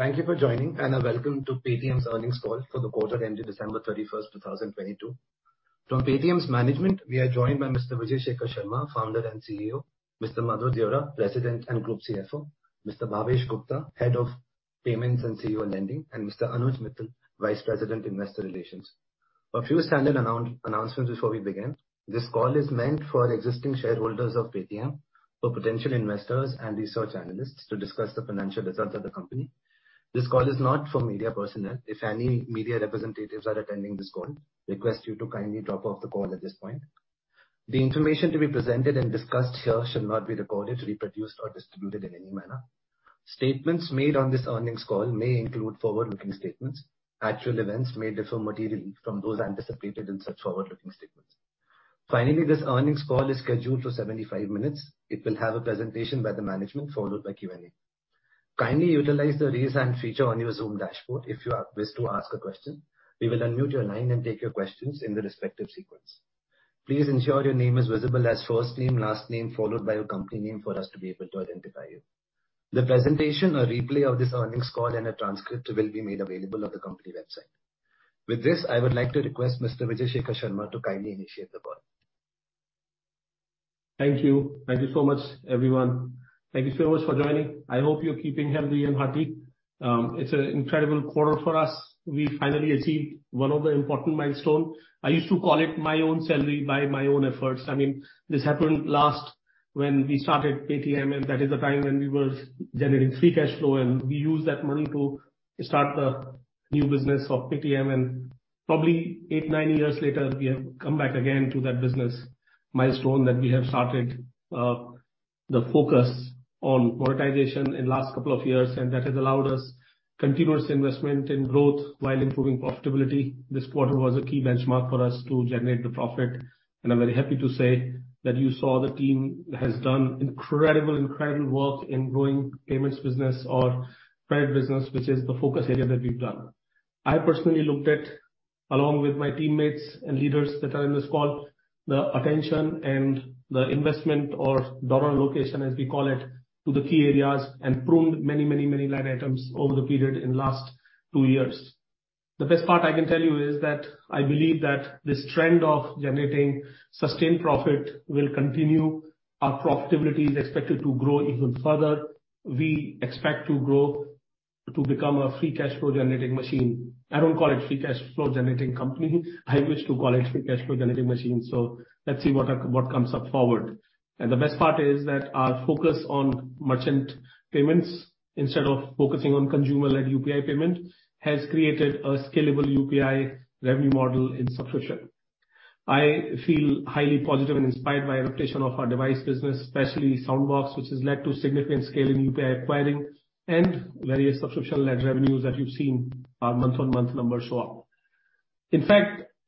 Thank you for joining and welcome to Paytm's earnings call for the quarter ending December 31st, 2022. From Paytm's management we are joined by Mr. Vijay Shekhar Sharma, Founder and CEO; Mr. Madhur Deora, President and Group CFO; Mr. Bhavesh Gupta, Head of Payments and CEO in Lending; and Mr. Anuj Mittal, Vice President, Investor Relations. A few standard announcements before we begin. This call is meant for existing shareholders of Paytm, for potential investors and research analysts to discuss the financial results of the company. This call is not for media personnel. If any media representatives are attending this call, request you to kindly drop off the call at this point. The information to be presented and discussed here should not be recorded, reproduced, or distributed in any manner. Statements made on this earnings call may include forward-looking statements. Actual events may differ materially from those anticipated in such forward-looking statements. This earnings call is scheduled for 75 minutes. It will have a presentation by the management, followed by Q&A. Kindly utilize the Raise Hand feature on your Zoom dashboard if you wish to ask a question. We will unmute your line and take your questions in the respective sequence. Please ensure your name is visible as first name, last name, followed by your company name, for us to be able to identify you. The presentation or replay of this earnings call and a transcript will be made available on the company website. With this, I would like to request Mr. Vijay Shekhar Sharma to kindly initiate the call. Thank you. Thank you so much, everyone. Thank you so much for joining. I hope you're keeping healthy and hearty. It's an incredible quarter for us. We finally achieved one of the important milestone. I used to call it my own salary by my own efforts. I mean, this happened last when we started Paytm, and that is the time when we were generating free cash flow, and we used that money to start the new business of Paytm. Probably 8, 9 years later, we have come back again to that business milestone that we have started, the focus on monetization in last couple of years, and that has allowed us continuous investment in growth while improving profitability. This quarter was a key benchmark for us to generate the profit. I'm very happy to say that you saw the team has done incredible work in growing payments business or credit business, which is the focus area that we've done. I personally looked at, along with my teammates and leaders that are in this call, the attention and the investment or dollar allocation, as we call it, to the key areas and pruned many line items over the period in last 2 years. The best part I can tell you is that I believe that this trend of generating sustained profit will continue. Our profitability is expected to grow even further. We expect to grow to become a free cash flow generating machine. I don't call it free cash flow generating company. I wish to call it free cash flow generating machine, so let's see what comes up forward. The best part is that our focus on merchant payments, instead of focusing on consumer-led UPI payment, has created a scalable UPI revenue model in subscription. I feel highly positive and inspired by adaptation of our device business, especially Soundbox, which has led to significant scale in UPI acquiring and various subscription-led revenues that you've seen our month-on-month numbers show up.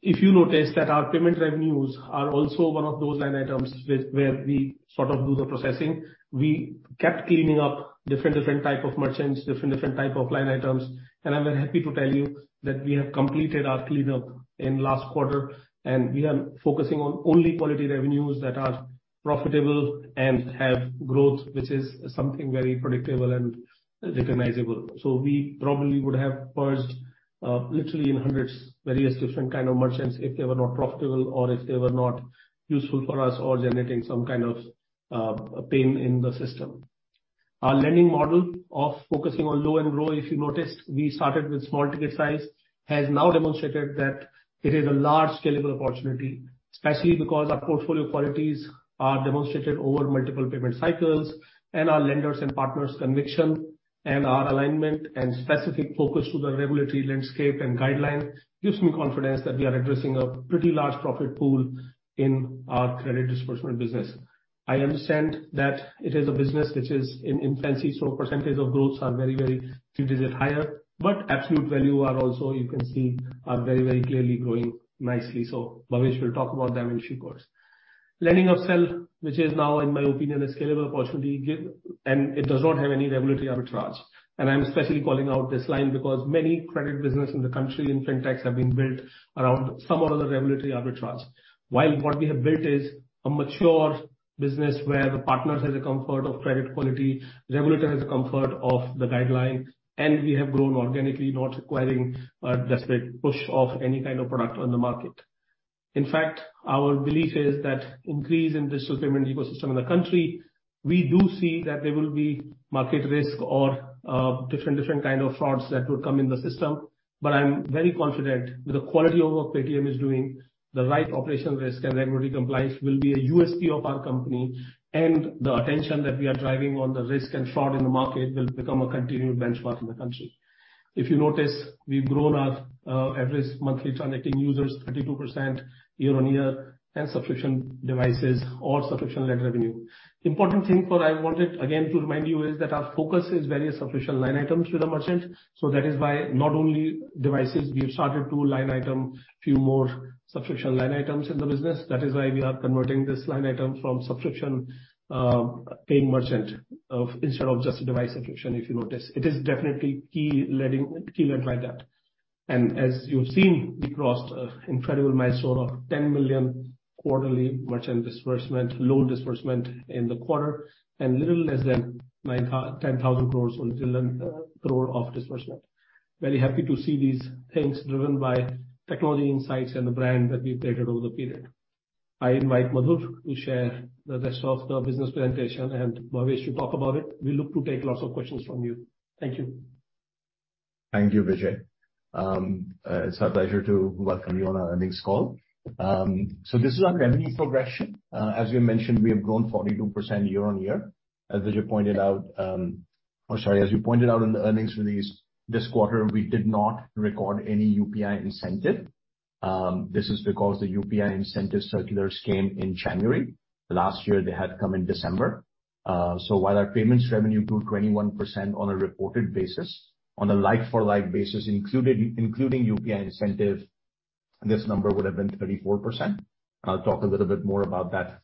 If you notice that our payment revenues are also one of those line items where we sort of do the processing. We kept cleaning up different type of merchants, different type of line items. I'm very happy to tell you that we have completed our cleanup in last quarter, and we are focusing on only quality revenues that are profitable and have growth, which is something very predictable and recognizable. We probably would have purged, literally in hundreds various different kind of merchants if they were not profitable or if they were not useful for us or generating some kind of pain in the system. Our lending model of focusing on low and grow, if you noticed, we started with small ticket size, has now demonstrated that it is a large scalable opportunity, especially because our portfolio qualities are demonstrated over multiple payment cycles, and our lenders and partners' conviction and our alignment and specific focus to the regulatory landscape and guideline gives me confidence that we are addressing a pretty large profit pool in our credit disbursement business. I understand that it is a business which is in infancy, so percentage of growth are very, very two digit higher, but absolute value are also, you can see, are very, very clearly growing nicely. Bhavesh will talk about them in due course. Lending upsell, which is now in my opinion, a scalable opportunity give, and it does not have any regulatory arbitrage. I'm especially calling out this line because many credit business in the country in Fintechs have been built around some or other regulatory arbitrage. What we have built is a mature business where the partners has a comfort of credit quality, regulator has comfort of the guideline, and we have grown organically, not requiring a desperate push of any kind of product on the market. In fact, our belief is that increase in digital payment ecosystem in the country, we do see that there will be market risk or, different kind of frauds that will come in the system. I'm very confident with the quality of work Paytm is doing, the right operational risk and regulatory compliance will be a USP of our company, and the attention that we are driving on the risk and fraud in the market will become a continued benchmark in the country. If you notice, we've grown our average monthly transacting users 32% year-on-year and subscription devices or subscription-led revenue. Important thing for I wanted again to remind you is that our focus is various subscription line items with the merchant. That is why not only devices, we have started to line item few more subscription line items in the business. That is why we are converting this line item from subscription, paying merchant of instead of just a device subscription, if you notice. It is definitely key led by that. As you've seen, we crossed a incredible milestone of 10 million quarterly merchant disbursement, loan disbursement in the quarter, and little less than 10,000 crores of disbursement. Very happy to see these things driven by technology insights and the brand that we've created over the period. I invite Madhur Deora to share the rest of the business presentation and Bhavesh Gupta to talk about it. We look to take lots of questions from you. Thank you. Thank you, Vijay. It's our pleasure to welcome you on our earnings call. This is our revenue progression. As you mentioned, we have grown 42% year-on-year. As Vijay pointed out, Oh, sorry. As you pointed out in the earnings release this quarter, we did not record any UPI incentive. This is because the UPI incentive circulars came in January. Last year, they had come in December. While our payments revenue grew 21% on a reported basis, on a like for like basis included, including UPI incentive, this number would have been 34%. I'll talk a little bit more about that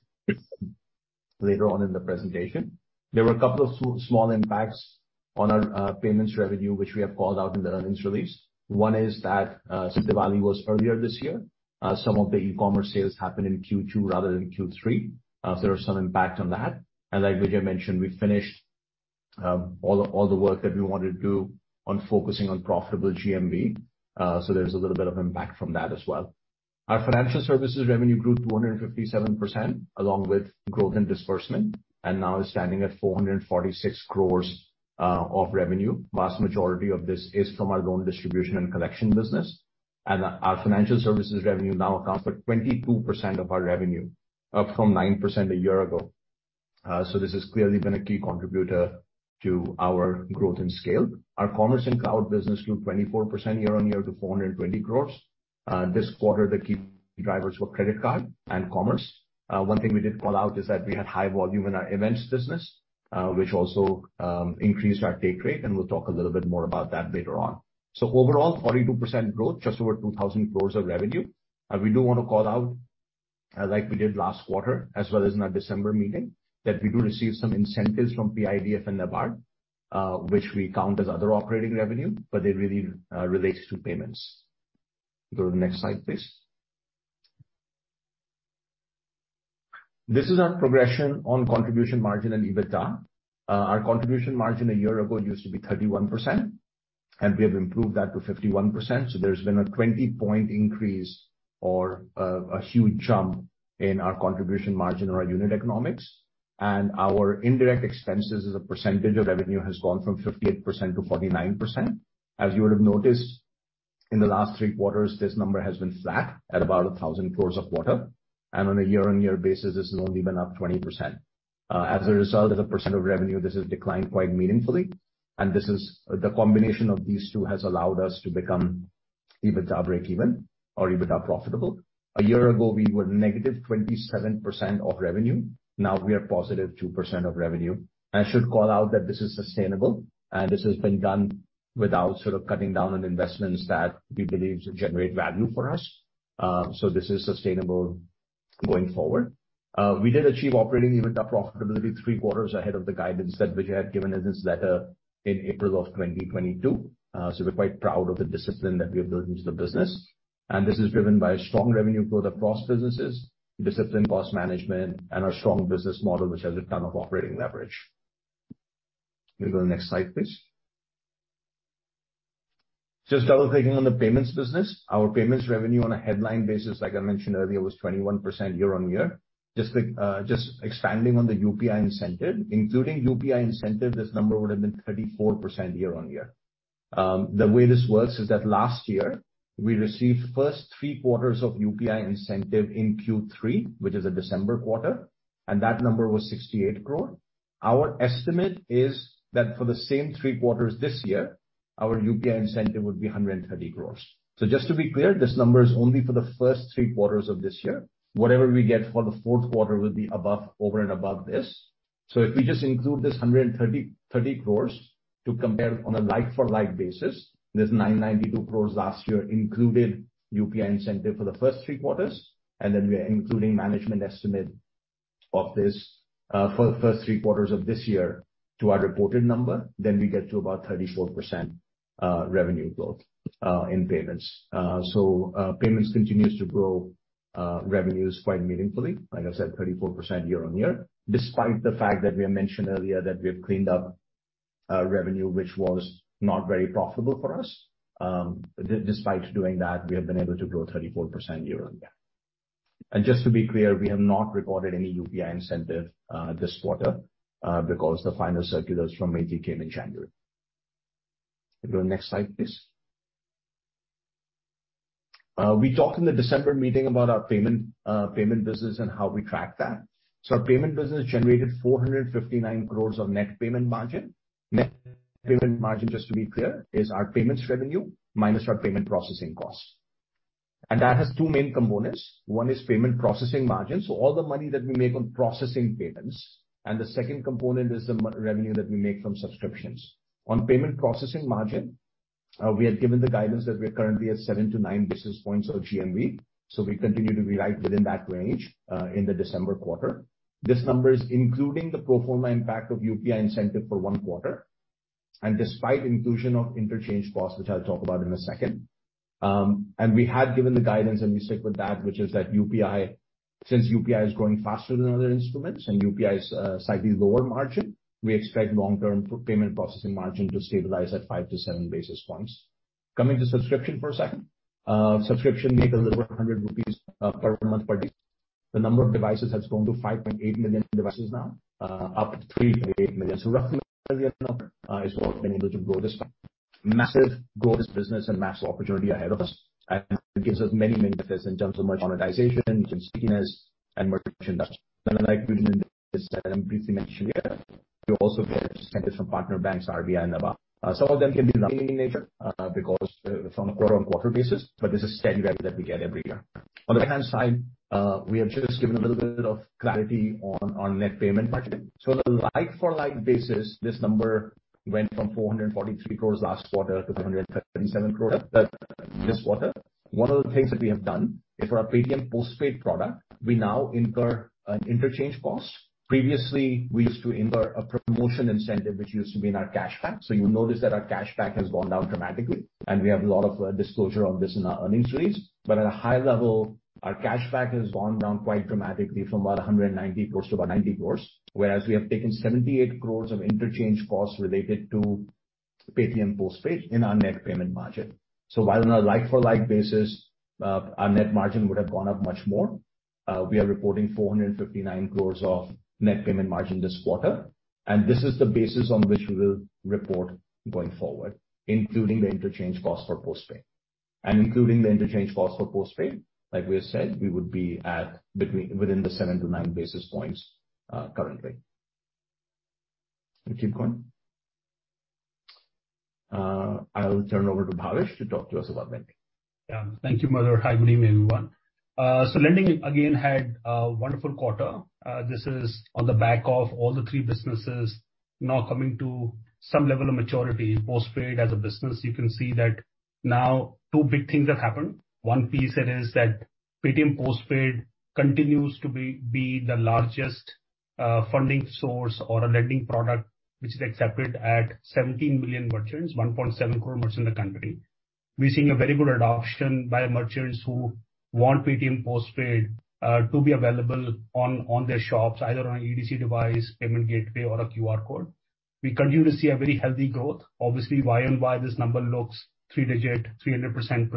later on in the presentation. There were a couple of small impacts on our payments revenue which we have called out in the earnings release. One is that Diwali was earlier this year. Some of the e-commerce sales happened in Q2 rather than Q3. There was some impact on that. Like Vijay mentioned, we finished all the work that we wanted to do on focusing on profitable GMV. There's a little bit of impact from that as well. Our financial services revenue grew 257% along with growth in disbursement, and now is standing at 446 crores of revenue. Vast majority of this is from our loan distribution and collection business. Our financial services revenue now accounts for 22% of our revenue, up from 9% a year ago. This has clearly been a key contributor to our growth and scale. Our commerce and cloud business grew 24% year-on-year to 420 crores. This quarter, the key drivers were credit card and commerce. One thing we did call out is that we had high volume in our events business, which also increased our take rate, and we'll talk a little bit more about that later on. Overall, 42% growth, just over 2,000 crores of revenue. We do wanna call out, like we did last quarter as well as in our December meeting, that we do receive some incentives from PIDF and NABARD, which we count as other operating revenue, but it really relates to payments. Go to the next slide, please. This is our progression on contribution margin and EBITDA. Our contribution margin a year ago used to be 31%, and we have improved that to 51%. There's been a 20-point increase or a huge jump in our contribution margin or our unit economics. Our indirect expenses as a percentage of revenue has gone from 58% to 49%. As you would have noticed, in the last three quarters, this number has been flat at about 1,000 crore of quarter. On a year-on-year basis, this has only been up 20%. As a result, as a percent of revenue, this has declined quite meaningfully. The combination of these two has allowed us to become EBITDA breakeven or EBITDA profitable. A year ago, we were negative 27% of revenue. Now we are positive 2% of revenue. I should call out that this is sustainable, and this has been done without sort of cutting down on investments that we believe generate value for us. This is sustainable going forward. We did achieve operating EBITDA profitability three quarters ahead of the guidance that Vijay had given in his letter in April of 2022. We're quite proud of the discipline that we have built into the business. This is driven by strong revenue growth across businesses, disciplined cost management, and our strong business model, which has a ton of operating leverage. Can you go to the next slide, please? Just double-clicking on the payments business. Our payments revenue on a headline basis, like I mentioned earlier, was 21% year-over-year. Just expanding on the UPI incentive. Including UPI incentive, this number would have been 34% year-over-year. The way this works is that last year we received first three quarters of UPI incentive in Q3, which is a December quarter, and that number was 68 crore. Our estimate is that for the same three quarters this year, our UPI incentive would be 130 crores. Just to be clear, this number is only for the first three quarters of this year. Whatever we get for the fourth quarter will be above, over and above this. If we just include this 130 crores to compare on a like-for-like basis, this 992 crores last year included UPI incentive for the first three quarters. We are including management estimate of this for the first three quarters of this year to our reported number, then we get to about 34% revenue growth in payments. Payments continues to grow revenues quite meaningfully. Like I said, 34% year-on-year. Despite the fact that we have mentioned earlier that we have cleaned up revenue which was not very profitable for us. Despite doing that, we have been able to grow 34% year-on-year. Just to be clear, we have not recorded any UPI incentive this quarter because the final circulars from UPI came in January. Go to the next slide, please. We talked in the December meeting about our payment business and how we track that. Our payment business generated 459 crores of net payment margin. Net payment margin, just to be clear, is our payments revenue minus our payment processing cost. That has two main components. One is payment processing margin, so all the money that we make on processing payments. The second component is the revenue that we make from subscriptions. On payment processing margin, we had given the guidance that we're currently at 7 to 9 basis points of GMV. We continue to be right within that range in the December quarter. This number is including the pro forma impact of UPI incentive for 1 quarter. Despite inclusion of interchange costs, which I'll talk about in a second. We had given the guidance, and we stick with that, which is that since UPI is growing faster than other instruments and UPI is slightly lower margin, we expect long-term payment processing margin to stabilize at 5 to 7 basis points. Coming to subscription for a second. Subscription makes over 100 rupees per month per user. The number of devices has grown to 5.8 million devices now, up 3.8 million. Roughly number is what we're able to grow this business and massive opportunity ahead of us. It gives us many benefits in terms of merchant monetization, stickiness and merchant industry. The next item I briefly mentioned here, we also get incentives from partner banks, RBI, NABARD. Some of them can be recurring in nature because from a quarter-on-quarter basis, but this is steady revenue that we get every year. On the right-hand side, we have just given a little bit of clarity on net payment margin. On a like-for-like basis, this number went from 443 crores last quarter to 337 crores this quarter. One of the things that we have done is for our Paytm Postpaid product, we now incur an interchange cost. Previously, we used to incur a promotion incentive, which used to be in our cashback. You'll notice that our cashback has gone down dramatically, and we have a lot of disclosure of this in our earnings release. At a high level, our cashback has gone down quite dramatically from about 190 crores to about 90 crores. Whereas we have taken 78 crores of interchange costs related to Paytm Postpaid in our net payment margin. While on a like-for-like basis, our net margin would have gone up much more, we are reporting 459 crores of net payment margin this quarter. This is the basis on which we will report going forward, including the interchange cost for postpaid. Including the interchange cost for postpaid, like we have said, we would be at within the 7 to 9 basis points currently. Keep going. I'll turn over to Bhavesh to talk to us about lending. Thank you, Madhur. Hi, good evening, everyone. Lending again had a wonderful quarter. This is on the back of all the three businesses now coming to some level of maturity. Paytm Postpaid as a business, you can see that now two big things have happened. One piece it is that Paytm Postpaid continues to be the largest funding source or a lending product which is accepted at 17 million merchants, 1.7 crore merchants in the country. We're seeing a very good adoption by merchants who want Paytm Postpaid to be available on their shops, either on an EDC device, payment gateway, or a QR code. We continue to see a very healthy growth. Year-over-year this number looks three digit, 300%+.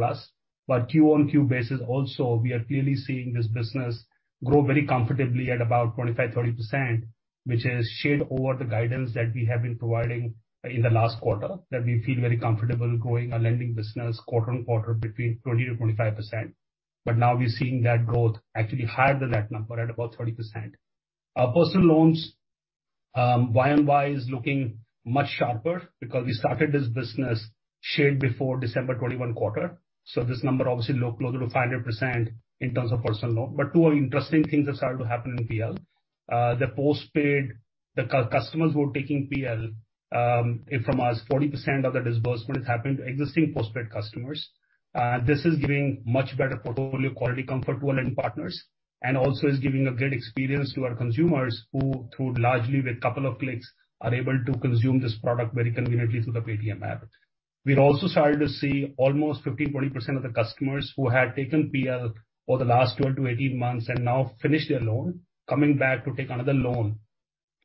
QoQ basis, also, we are clearly seeing this business grow very comfortably at about 25%-30% which is shared over the guidance that we have been providing in the last quarter, that we feel very comfortable growing our lending business quarter-on-quarter between 20%-25%. Now we're seeing that growth actually higher than that number at about 30%. Our personal loans, YoY is looking much sharper because we started this business shared before December 2021 quarter. This number obviously look closer to 500% in terms of personal loan. Two interesting things have started to happen in PL. The postpaid, the customers who are taking PL from us, 40% of the disbursement has happened to existing postpaid customers. This is giving much better portfolio quality comfort to our lending partners, and also is giving a great experience to our consumers who, through largely with couple of clicks, are able to consume this product very conveniently through the Paytm app. We've also started to see almost 50%, 40% of the customers who had taken PL over the last 12 to 18 months and now finished their loan, coming back to take another loan.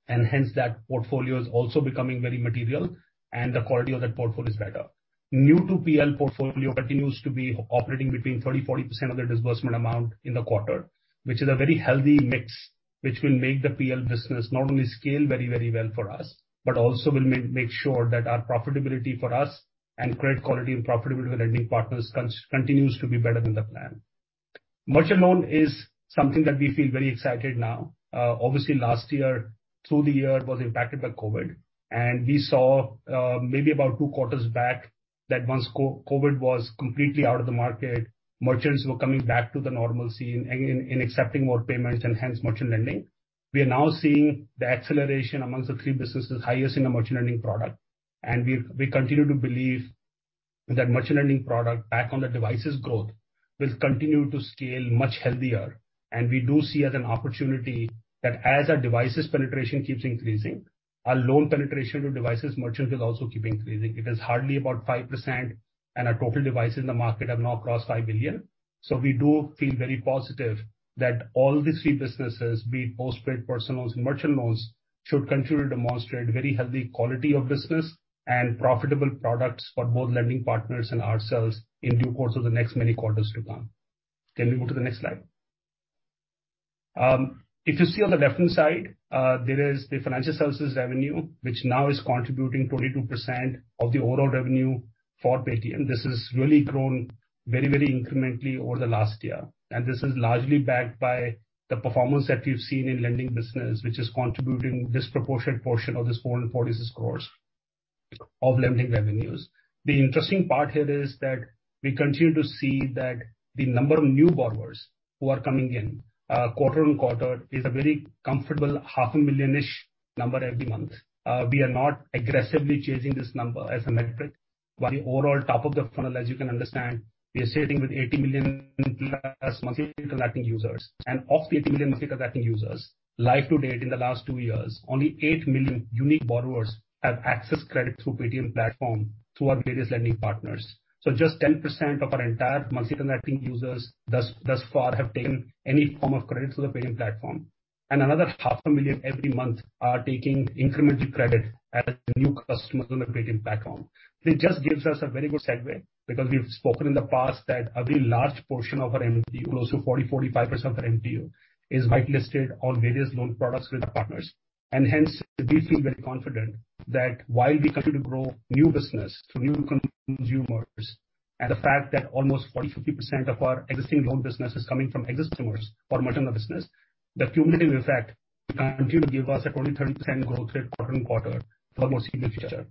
Hence that portfolio is also becoming very material and the quality of that portfolio is better. New to PL portfolio continues to be operating between 30%-40% of the disbursement amount in the quarter, which is a very healthy mix, which will make the PL business not only scale very, very well for us, but also will make sure that our profitability for us and credit quality and profitability with our lending partners continues to be better than the plan. Merchant loan is something that we feel very excited now. Obviously last year, through the year, it was impacted by COVID. We saw maybe about two quarters back that once COVID was completely out of the market, merchants were coming back to the normalcy in accepting more payments and hence merchant lending. We are now seeing the acceleration amongst the three businesses highest in the merchant lending product. We continue to believe that merchant lending product back on the devices growth will continue to scale much healthier. We do see as an opportunity that as our devices penetration keeps increasing, our loan penetration to devices merchant will also keep increasing. It is hardly about 5%, and our total devices in the market have now crossed 5 billion. We do feel very positive that all these three businesses, be it postpaid, personal loans, and merchant loans, should continue to demonstrate very healthy quality of business and profitable products for both lending partners and ourselves in due course of the next many quarters to come. Can we go to the next slide? If you see on the left-hand side, there is the financial services revenue, which now is contributing 22% of the overall revenue for Paytm. This has really grown very, very incrementally over the last year. This is largely backed by the performance that you've seen in lending business, which is contributing disproportionate portion of this 446 crores of lending revenues. The interesting part here is that we continue to see that the number of new borrowers who are coming in quarter-on-quarter is a very comfortable half a million-ish number every month. We are not aggressively chasing this number as a metric. While the overall top of the funnel, as you can understand, we are sitting with 80 million plus monthly connecting users. Of the 80 million monthly connecting users, live to date in the last two years, only 8 million unique borrowers have accessed credit through Paytm platform through our various lending partners. Just 10% of our entire monthly connecting users thus far have taken any form of credit through the Paytm platform. Another half a million every month are taking incremental credit as new customers on the Paytm platform. It just gives us a very good segue, because we've spoken in the past that a very large portion of our MTU, close to 40%-45% of our MTU, is whitelisted on various loan products with partners. Hence, we feel very confident that while we continue to grow new business through new consumers, and the fact that almost 40%-50% of our existing loan business is coming from existing customers for merchant business, the cumulative effect will continue to give us a 20%-30% growth rate quarter-on-quarter for foreseeable future.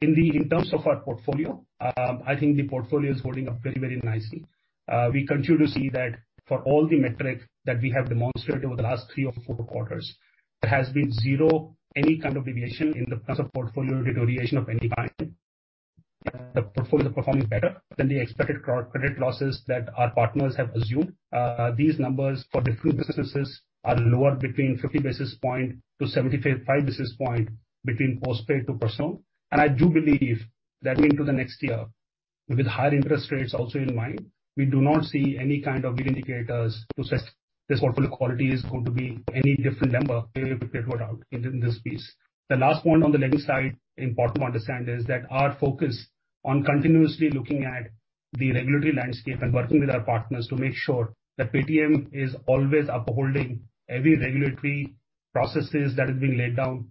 In the, in terms of our portfolio, I think the portfolio is holding up very, very nicely. We continue to see that for all the metrics that we have demonstrated over the last 3 or 4 quarters, there has been 0, any kind of deviation in terms of portfolio deterioration of any kind. The portfolio is performing better than the expected credit losses that our partners have assumed. These numbers for the 3 businesses are lower between 50 basis points to 75 basis points between Paytm Postpaid to personal. I do believe that going into the next year with higher interest rates also in mind, we do not see any kind of indicators to suggest this portfolio quality is going to be any different number year-over-year throughout in this piece. The last point on the lending side, important to understand, is that our focus on continuously looking at the regulatory landscape and working with our partners to make sure that Paytm is always upholding every regulatory processes that is being laid down,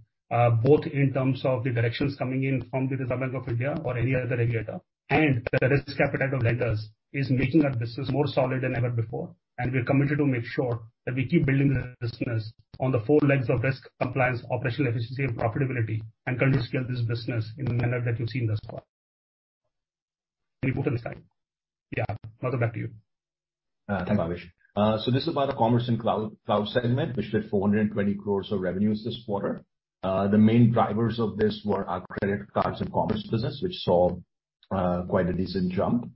both in terms of the directions coming in from the Reserve Bank of India or any other regulator. The risk appetite of lenders is making our business more solid than ever before. We're committed to make sure that we keep building this business on the four legs of risk, compliance, operational efficiency, and profitability, and continue to scale this business in the manner that you've seen thus far. Can you go to the next slide? Yeah. Madhur back to you. Thanks, Bhavesh Gupta. This is about our commerce and cloud segment, which did 420 crores of revenues this quarter. The main drivers of this were our credit cards and commerce business, which saw quite a decent jump.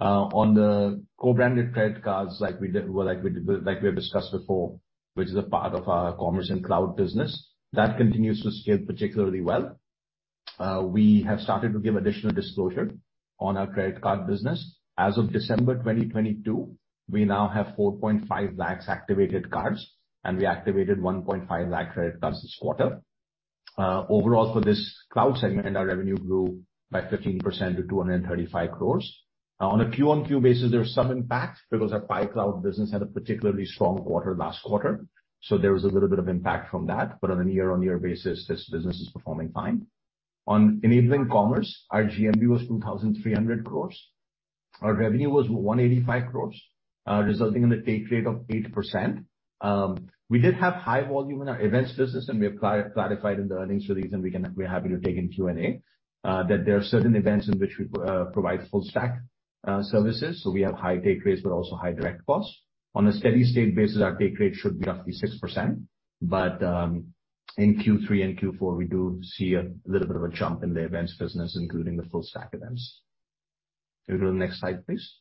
On the co-branded credit cards, like we have discussed before, which is a part of our commerce and cloud business, that continues to scale particularly well. We have started to give additional disclosure on our credit card business. As of December 2022, we now have 4.5 lakhs activated cards, and we activated 1.5 lakh credit cards this quarter. Overall for this cloud segment, our revenue grew by 15% to 235 crores. On a QoQ basis, there was some impact because our Paytm Cloud business had a particularly strong quarter last quarter, so there was a little bit of impact from that. On a year-on-year basis, this business is performing fine. On enabling commerce, our GMV was 2,300 crores. Our revenue was 185 crores, resulting in a take rate of 8%. We did have high volume in our events business, and we have clarified in the earnings release, and we're happy to take in Q&A, that there are certain events in which we provide full stack services, so we have high take rates but also high direct costs. On a steady-state basis, our take rate should be roughly 6%. In Q3 and Q4, we do see a little bit of a jump in the events business, including the full stack events. Can we go to the next slide, please?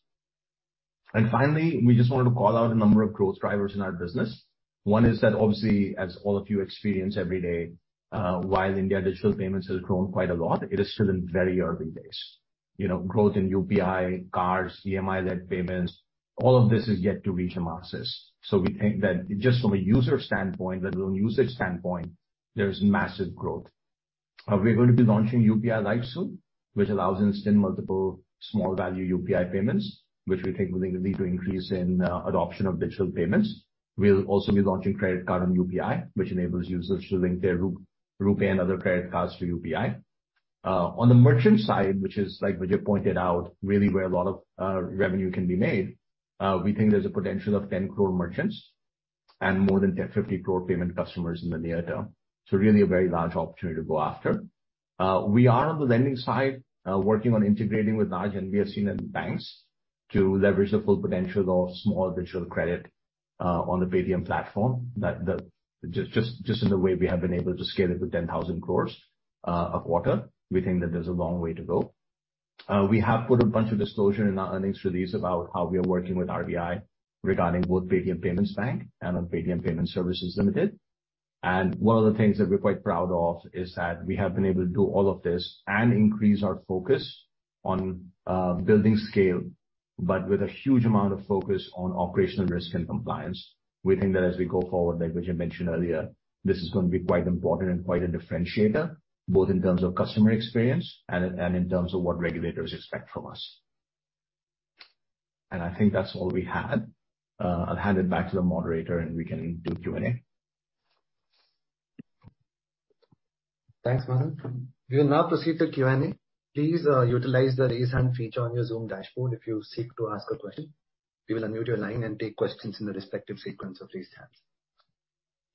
Finally, we just wanted to call out a number of growth drivers in our business. 1 is that obviously, as all of you experience every day, while India digital payments has grown quite a lot, it is still in very early days. You know, growth in UPI, cards, EMI-led payments, all of this is yet to reach the masses. We think that just from a user standpoint, the loan usage standpoint, there's massive growth. We're going to be launching UPI Lite soon, which allows instant, multiple small value UPI payments, which we think will lead to increase in adoption of digital payments. We'll also be launching credit card on UPI, which enables users to link their RuPay and other credit cards to UPI. On the merchant side, which is like Vijay pointed out, really where a lot of revenue can be made, we think there's a potential of 10 crore merchants and more than 50 crore payment customers in the near term. Really a very large opportunity to go after. We are on the lending side, working on integrating with large NBFC and banks to leverage the full potential of small digital credit on the Paytm platform. Just in the way we have been able to scale it to 10,000 crores of quarter, we think that there's a long way to go. We have put a bunch of disclosure in our earnings release about how we are working with RBI regarding both Paytm Payments Bank and on Paytm Payments Services Limited. One of the things that we're quite proud of is that we have been able to do all of this and increase our focus on building scale, but with a huge amount of focus on operational risk and compliance. We think that as we go forward, like Vijay mentioned earlier, this is gonna be quite important and quite a differentiator, both in terms of customer experience and in terms of what regulators expect from us. I think that's all we had. I'll hand it back to the moderator, and we can do Q&A. Thanks, Madhur. We will now proceed to Q&A. Please utilize the raise hand feature on your Zoom dashboard if you seek to ask a question. We will unmute your line and take questions in the respective sequence of raised hands.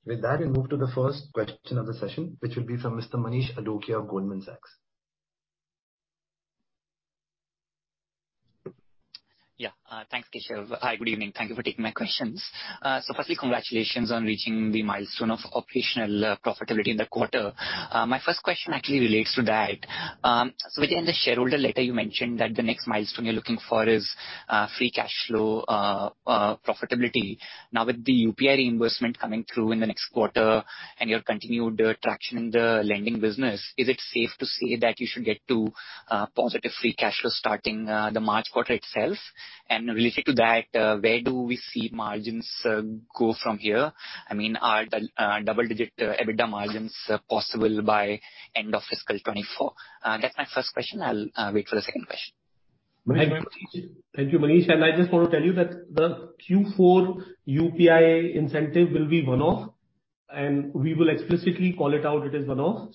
With that, we move to the first question of the session, which will be from Mr. Manish Adukia of Goldman Sachs. Yeah. Thanks, Keshav. Hi, good evening. Thank you for taking my questions. Firstly, congratulations on reaching the milestone of operational profitability in the quarter. My first question actually relates to that. So within the shareholder letter, you mentioned that the next milestone you're looking for is free cashflow profitability. Now, with the UPI reimbursement coming through in the next quarter and your continued traction in the lending business, is it safe to say that you should get to positive free cash flows starting the March quarter itself? Related to that, where do we see margins go from here? I mean, are the double-digit EBITDA margins possible by end of fiscal 2024? That's my first question. I'll wait for the second question. Thank you, Manish. I just wanna tell you that the Q4 UPI incentive will be one-off. We will explicitly call it out, it is one-off.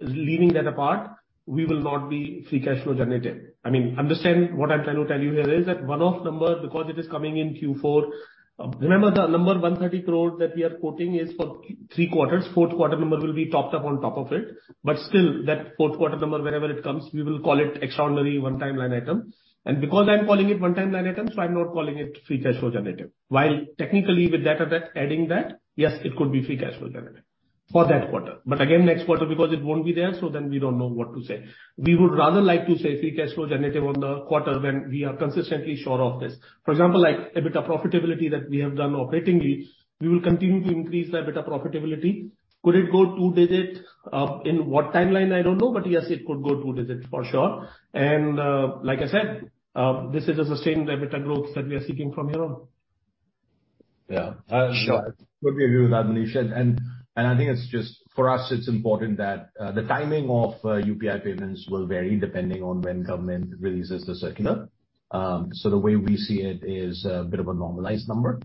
Leaving that apart, we will not be free cash flow generative. I mean, understand what I'm trying to tell you here is that one-off number, because it is coming in Q4. Remember the number 130 crore that we are quoting is for three quarters. Fourth quarter number will be topped up on top of it. Still that fourth quarter number, wherever it comes, we will call it extraordinary one-time line item. Because I'm calling it one-time line item, I'm not calling it free cash flow generative. While technically with that, adding that, yes, it could be free cash flow generative for that quarter. Again, next quarter because it won't be there, we don't know what to say. We would rather like to say free cash flow generative on the quarter when we are consistently sure of this. For example, like EBITDA profitability that we have done operatingly, we will continue to increase the EBITDA profitability. Could it go two digit? In what timeline? I don't know. Yes, it could go two digits for sure. Like I said, this is a sustained EBITDA growth that we are seeking from here on. Yeah. Sure. Completely agree with that, Manish. I think it's just for us it's important that the timing of UPI payments will vary depending on when government releases the circular. The way we see it is a bit of a normalized number.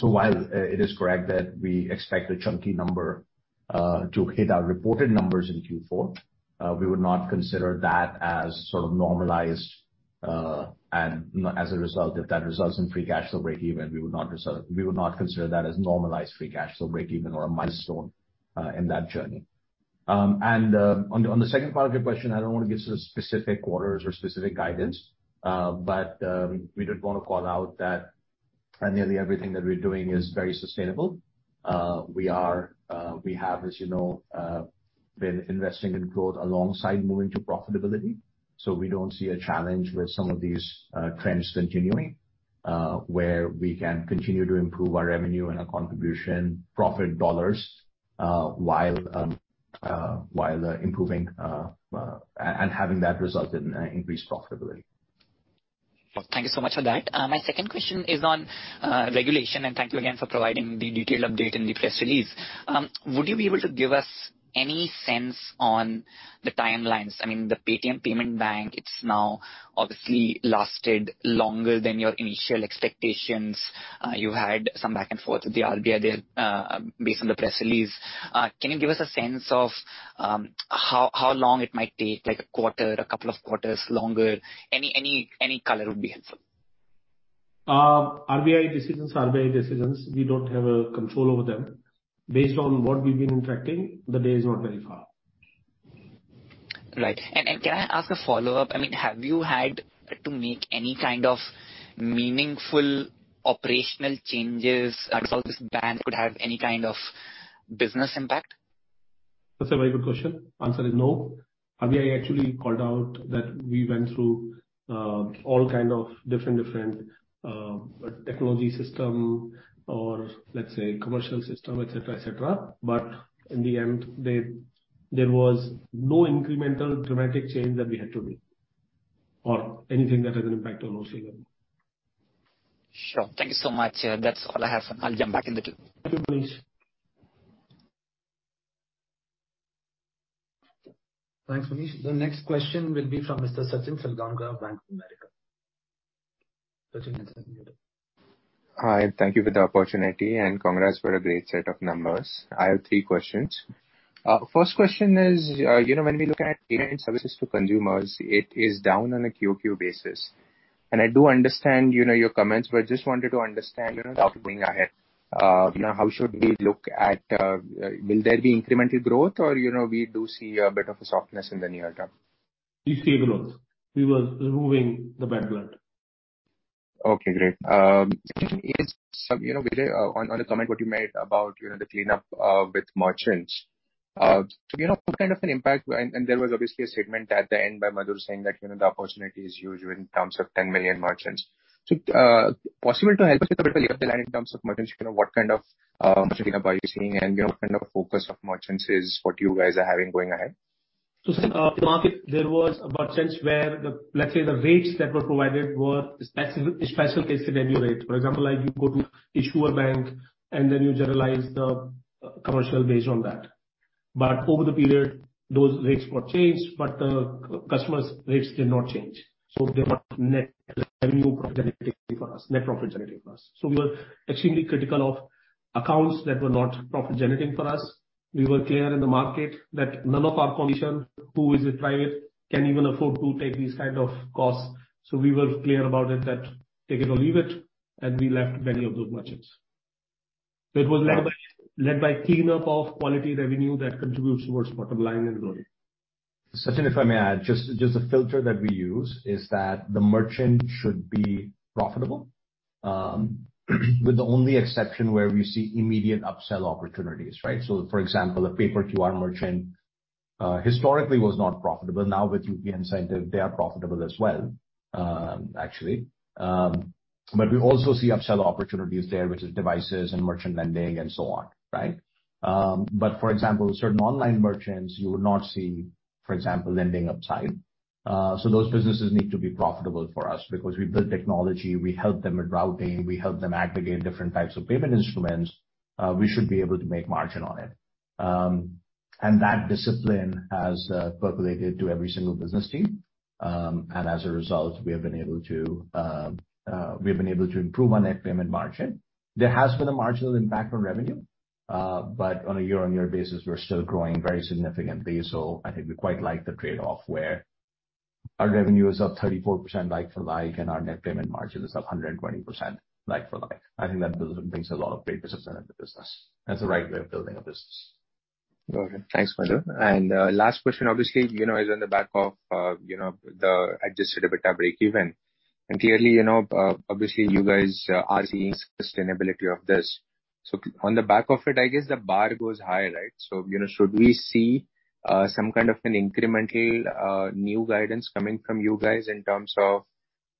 While it is correct that we expect a chunky number to hit our reported numbers in Q4, we would not consider that as sort of normalized, and as a result, if that results in free cash flow breakeven, we would not consider that as normalized free cash flow breakeven or a milestone in that journey. On the second part of your question, I don't wanna give specific quarters or specific guidance, but we did wanna call out that nearly everything that we're doing is very sustainable. We are, we have, as you know, been investing in growth alongside moving to profitability, so we don't see a challenge with some of these trends continuing, where we can continue to improve our revenue and our contribution profit dollars, while improving and having that result in increased profitability. Thank you so much for that. My second question is on regulation. Thank you again for providing the detailed update in the press release. Would you be able to give us any sense on the timelines? I mean, the Paytm Payments Bank, it's now obviously lasted longer than your initial expectations. You had some back and forth with the RBI there, based on the press release. Can you give us a sense of how long it might take? Like a quarter, a couple of quarters, longer? Any color would be helpful. RBI decisions are RBI decisions. We don't have control over them. Based on what we've been interacting, the day is not very far. Right. Can I ask a follow-up? I mean, have you had to make any kind of meaningful operational changes as result this ban could have any kind of business impact? That's a very good question. Answer is no. RBI actually called out that we went through all kind of different technology system or let's say commercial system, et cetera. In the end, there was no incremental dramatic change that we had to make or anything that had an impact on our share value. Sure. Thank you so much. That's all I have for now. I'll jump back in the queue. Thank you, Manish. Thanks, Manish. The next question will be from Mr. Sachin Salgaonkar of Bank of America. Sachin, you can go ahead. Hi, and thank you for the opportunity, and congrats for a great set of numbers. I have three questions. First question is, you know, when we look at payment services to consumers, it is down on a QoQ basis. I do understand, you know, your comments, but just wanted to understand, you know, thought of going ahead. You know, how should we look at, will there be incremental growth or, you know, we do see a bit of a softness in the near term? We see growth. We were removing the bad blood. Great. Second is, you know, Vijay, on a comment what you made about, you know, the cleanup with merchants. You know, what kind of an impact... There was obviously a statement at the end by Madhur saying that, you know, the opportunity is huge in terms of 10 million merchants. Possible to help us with a bit of your plan in terms of merchants. You know, what kind of merchant base are you seeing, and what kind of focus of merchants is what you guys are having going ahead? Market, there was a merchants where the, let's say, the rates that were provided were special case revenue rate. For example, like you go to issuer bank and then you generalize the commercial base on that. Over the period, those rates were changed, but the customers rates did not change. They were net revenue generating for us, net profit generating for us. We were extremely critical of accounts that were not profit generating for us. We were clear in the market that none of our condition, who is a private, can even afford to take these kind of costs. We were clear about it that take it or leave it, and we left many of those merchants. It was led by clean up of quality revenue that contributes towards bottom line and growth. Sachin, if I may add, just the filter that we use is that the merchant should be profitable. With the only exception where we see immediate upsell opportunities, right? For example, a paper QR merchant, historically was not profitable. Now, with UPI inside, they are profitable as well, actually. We also see upsell opportunities there, which is devices and merchant lending and so on, right? For example, certain online merchants you would not see, for example, lending upside. Those businesses need to be profitable for us because we build technology, we help them with routing, we help them aggregate different types of payment instruments. We should be able to make margin on it. That discipline has percolated to every single business team. As a result, we have been able to improve our net payment margin. There has been a marginal impact on revenue. On a year-on-year basis, we're still growing very significantly. I think we quite like the trade-off where our revenue is up 34% like-for-like and our net payment margin is up 120% like-for-like. I think that builds and brings a lot of great discipline in the business. That's the right way of building a business. Go ahead. Thanks, Madhur. Last question obviously, you know, is on the back of, you know, the adjusted EBITDA breakeven. Clearly, you know, obviously you guys are seeing sustainability of this. On the back of it, I guess the bar goes higher, right? You know, should we see some kind of an incremental new guidance coming from you guys in terms of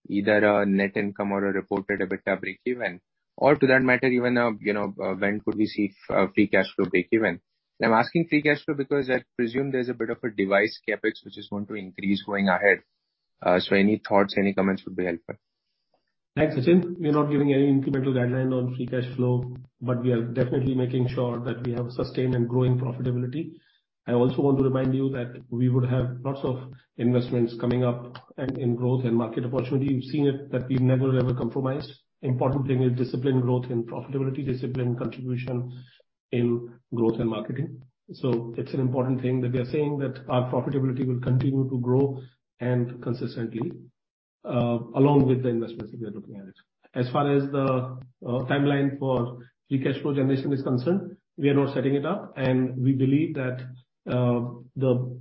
either a net income or a reported EBITDA breakeven? Or to that matter, even a, you know, when could we see free cash flow breakeven? I'm asking free cash flow because I presume there's a bit of a device CapEx which is going to increase going ahead. Any thoughts, any comments would be helpful. Thanks, Sachin. We're not giving any incremental guideline on free cash flow, but we are definitely making sure that we have sustained and growing profitability. I also want to remind you that we would have lots of investments coming up and in growth and market opportunity. You've seen it that we never, ever compromise. Important thing is disciplined growth in profitability, disciplined contribution in growth and marketing. It's an important thing that we are saying that our profitability will continue to grow and consistently along with the investments that we are looking at. As far as the timeline for free cash flow generation is concerned, we are not setting it up. We believe that the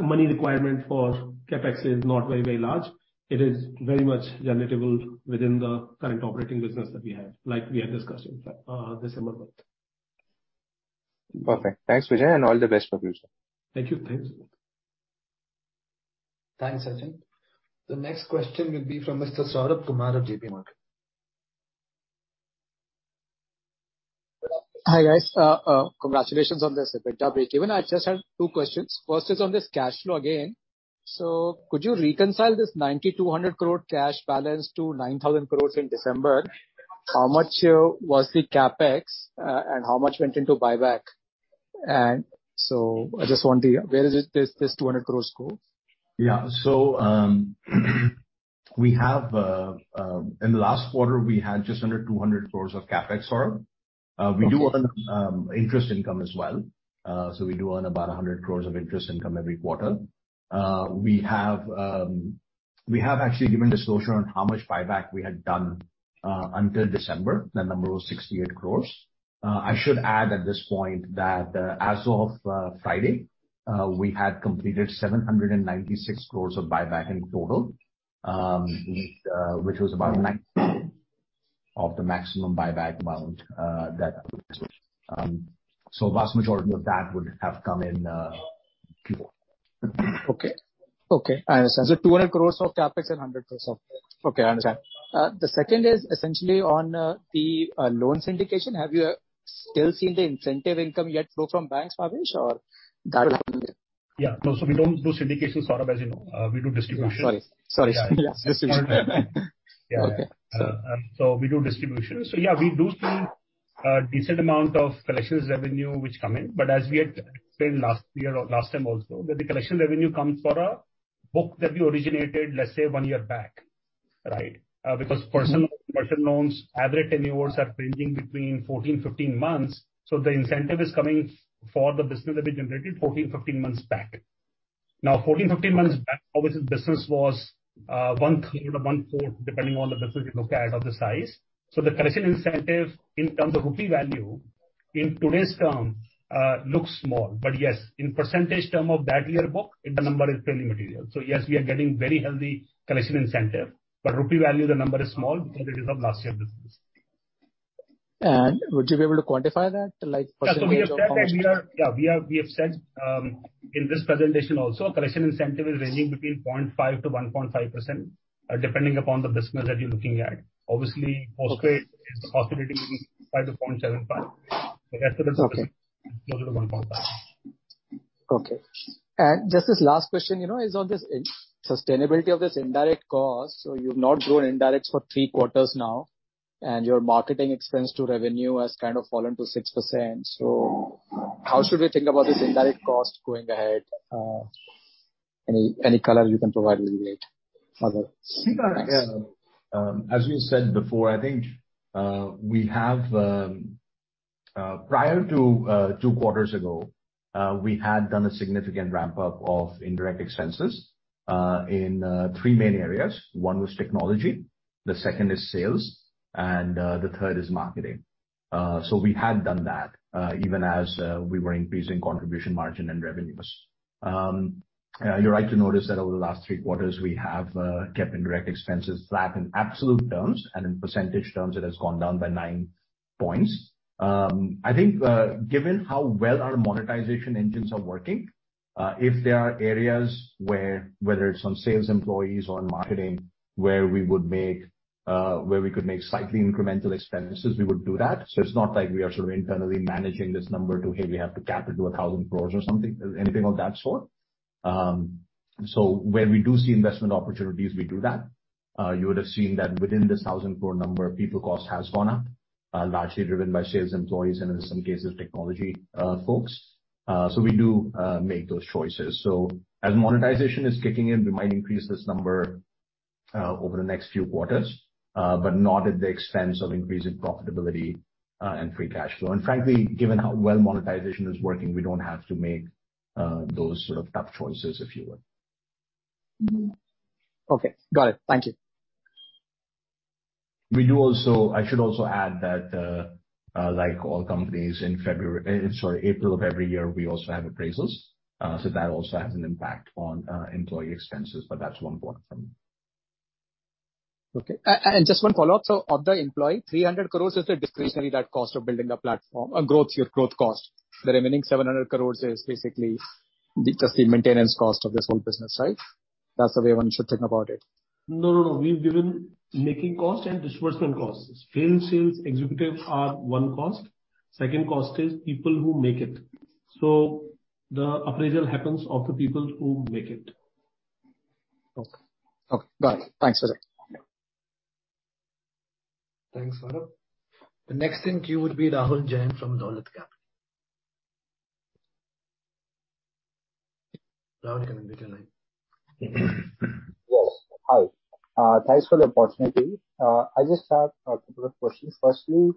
money requirement for CapEx is not very, very large. It is very much generatable within the current operating business that we have, like we have discussed in December month. Perfect. Thanks, Vijay, and all the best for future. Thank you. Thanks. Thanks, Sachin. The next question will be from Mr. Saurabh Kumar of J.P. Morgan. Hi, guys. Congratulations on this EBITDA breakeven. I just have two questions. First is on this cash flow again. Could you reconcile this 9,200 crore cash balance to 9,000 crores in December? How much was the CapEx and how much went into buyback? Where did this 200 crores go? We have in the last quarter we had just under 200 crores of CapEx, Saurabh. We do earn interest income as well. We do earn about 100 crores of interest income every quarter. We have actually given disclosure on how much buyback we had done until December. The number was 68 crores. I should add at this point that as of Friday, we had completed 796 crores of buyback in total. Which was about of the maximum buyback amount that Okay. Okay, I understand. 200 crores of CapEx and 100 crores of... Okay, I understand. The second is essentially on the loan syndication. Have you still seen the incentive income yet flow from banks, Bhavesh, or Yeah. No. We don't do syndications, Saurabh, as you know. We do distribution. Sorry. Sorry. Yeah. Distribution. Yeah. Okay. We do distribution. Yeah, we do see a decent amount of collections revenue which come in. As we had explained last year or last time also, that the collection revenue comes for a book that we originated, let's say one year back, right? Because personal loans' average tenures are ranging between 14, 15 months. The incentive is coming for the business that we generated 14, 15 months back. 14, 15 months back, obviously business was one-third or one-fourth, depending on the business you look at or the size. The collection incentive in terms of rupee value in today's term, looks small. Yes, in percentage term of that year book, the number is pretty material. Yes, we are getting very healthy collection incentive, but rupee value, the number is small because it is of last year business. Would you be able to quantify that? Like percentage of- We have said in this presentation also, collection incentive is ranging between 0.5%-1.5%, depending upon the business that you're looking at. Okay. Postpaid is possibly between 5 to 0.75. Okay. That's the business closer to 1.5. Okay. Just this last question, you know, is on this unsustainability of this indirect cost. You've not grown indirects for three quarters now and your marketing expense to revenue has kind of fallen to 6%. How should we think about this indirect cost going ahead? Any color you can provide will be great. I think, as we said before, I think we have, prior to 2 quarters ago, we had done a significant ramp-up of indirect expenses in 3 main areas. One was technology, the second is sales, and the third is marketing. We had done that even as we were increasing contribution margin and revenues. You're right to notice that over the last 3 quarters we have kept indirect expenses flat in absolute terms and in percentage terms, it has gone down by 9 points. I think, given how well our monetization engines are working, if there are areas where, whether it's on sales employees or on marketing, where we could make slightly incremental expenses, we would do that. It's not like we are sort of internally managing this number to, "Hey, we have to cap it to 1,000 crore or something," anything of that sort. Where we do see investment opportunities, we do that. You would have seen that within this 1,000 crore number, people cost has gone up, largely driven by sales employees and in some cases, technology folks. We do make those choices. As monetization is kicking in, we might increase this number over the next few quarters, but not at the expense of increasing profitability and free cash flow. Frankly, given how well monetization is working, we don't have to make those sort of tough choices, if you would. Okay. Got it. Thank you. We do also... I should also add that, like all companies in February, sorry, April of every year, we also have appraisals. That also has an impact on employee expenses. That's one point from me. Okay. Just one follow-up. Of the employee, 300 crores is the discretionary that cost of building the platform, a growth, your growth cost. The remaining 700 crores is basically just the maintenance cost of this whole business, right? That's the way one should think about it. No, no. We've given making cost and disbursement costs. Sales, sales executives are one cost. Second cost is people who make it. The appraisal happens of the people who make it. Okay. Okay. Got it. Thanks for that. Yeah. Thanks, Saurabh. The next in queue will be Rahul Jain from Dolat Capital. Rahul, can you unmute your line? Yes. Hi. Thanks for the opportunity. I just have a couple of questions. Firstly,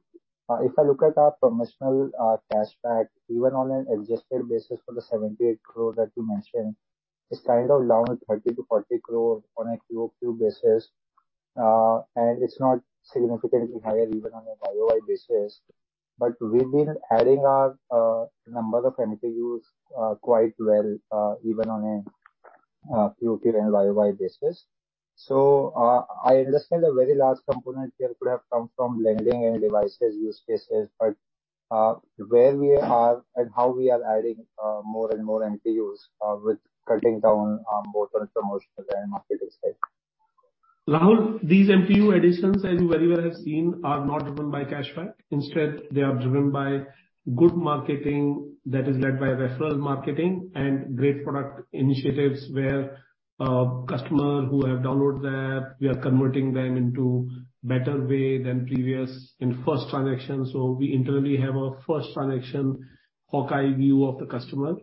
if I look at our promotional cashback, even on an adjusted basis for the 78 crore that you mentioned, it's kind of down 30-40 crore on a QoQ basis, and it's not significantly higher even on a YoY basis. We've been adding our number of MTUs quite well, even on a QoQ and YoY basis. I understand a very large component here could have come from lending and devices use cases. Where we are and how we are adding more and more MTUs with cutting down on both on promotional and marketing spend. Rahul, these MTU additions, as you very well have seen, are not driven by cashback. Instead, they are driven by good marketing that is led by referral marketing and great product initiatives where customer who have downloaded the app, we are converting them into better way than previous in first transaction. We internally have a first transaction hawk-eye view of the customer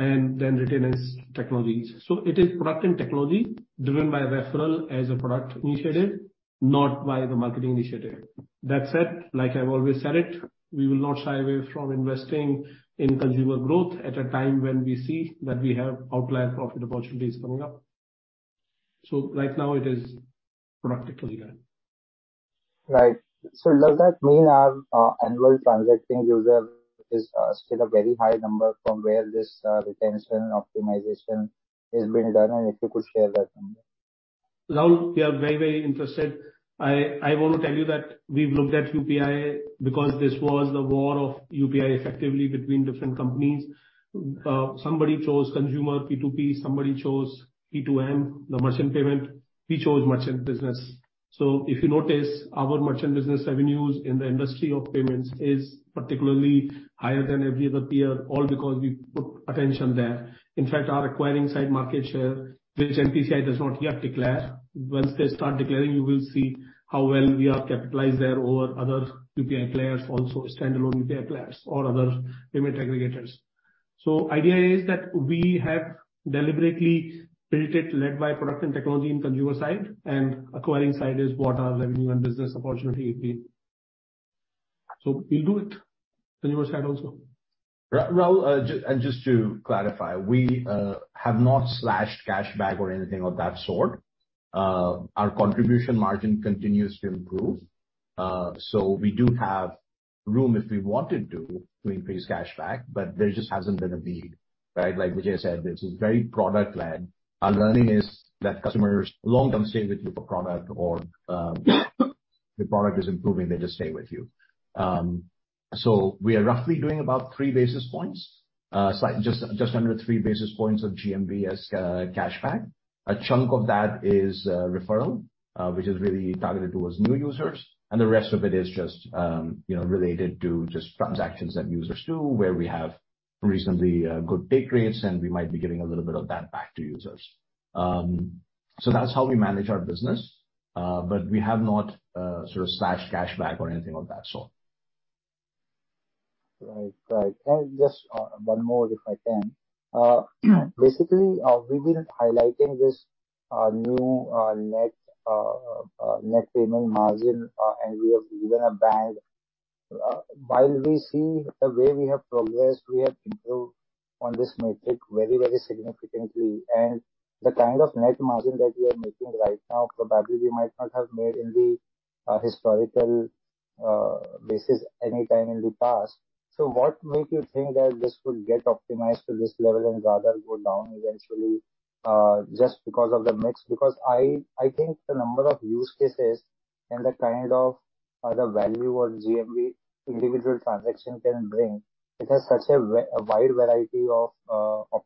and then retain its technologies. It is product and technology driven by referral as a product initiative, not by the marketing initiative. That said, like I've always said it, we will not shy away from investing in consumer growth at a time when we see that we have outlier profit opportunities coming up. Right now it is product-led. Right. Does that mean our annual transacting user is still a very high number from where this retention optimization is being done, and if you could share that number? Rahul, we are very interested. I wanna tell you that we've looked at UPI because this was the war of UPI effectively between different companies. Somebody chose consumer P2P, somebody chose P2M, the merchant payment. We chose merchant business. If you notice, our merchant business revenues in the industry of payments is particularly higher than every other peer, all because we put attention there. In fact, our acquiring side market share, which NPCI does not yet declare, once they start declaring, you will see how well we are capitalized there over other UPI players, also standalone UPI players or other payment aggregators. Idea is that we have deliberately built it led by product and technology in consumer side, and acquiring side is what our revenue and business opportunity will be. We'll do it, consumer side also. Rahul, just to clarify, we have not slashed cashback or anything of that sort. Our contribution margin continues to improve. We do have room if we wanted to increase cashback, but there just hasn't been a need, right? Like Vijay said, this is very product led. Our learning is that customers long-term stay with you for product or, the product is improving, they just stay with you. We are roughly doing about 3 basis points, just under 3 basis points of GMV as cashback. A chunk of that is referral, which is really targeted towards new users, and the rest of it is just, you know, related to just transactions that users do, where we have recently good take rates and we might be giving a little bit of that back to users. That's how we manage our business. We have not sort of slashed cashback or anything of that sort. Right. Right. Just, one more, if I can. Basically, we've been highlighting this, new, net payment margin, and we have given a band. While we see the way we have progressed, we have improved on this metric very, very significantly. The kind of net margin that we are making right now, probably we might not have made in the historical basis anytime in the past. What make you think that this will get optimized to this level and rather go down eventually, just because of the mix? I think the number of use cases and the kind of, the value or GMV individual transaction can bring, it has such a wide variety of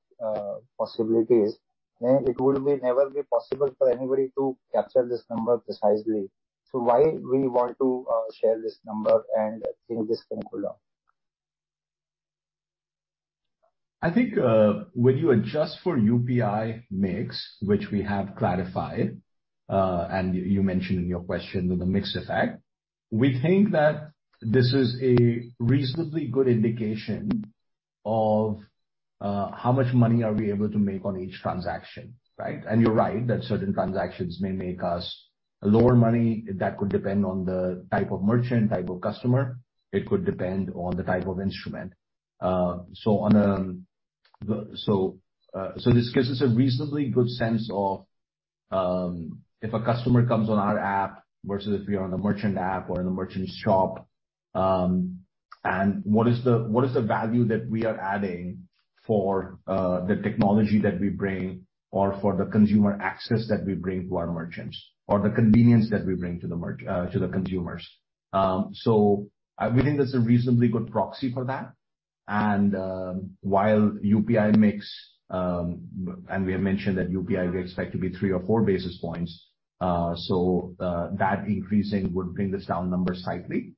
possibilities, then it would be never be possible for anybody to capture this number precisely. why we want to share this number and think this can cool down? I think, when you adjust for UPI mix, which we have clarified, and you mentioned in your question on the mix effect, we think that this is a reasonably good indication of how much money are we able to make on each transaction, right? You're right, that certain transactions may make us lower money. That could depend on the type of merchant, type of customer. It could depend on the type of instrument. So on a... This gives us a reasonably good sense of if a customer comes on our app versus if we are on the merchant app or in the merchant's shop, and what is the, what is the value that we are adding for the technology that we bring or for the consumer access that we bring to our merchants or the convenience that we bring to the merchants to the consumers. We think that's a reasonably good proxy for that. While UPI mix, and we have mentioned that UPI we expect to be 3 or 4 basis points, that increasing would bring this down number slightly.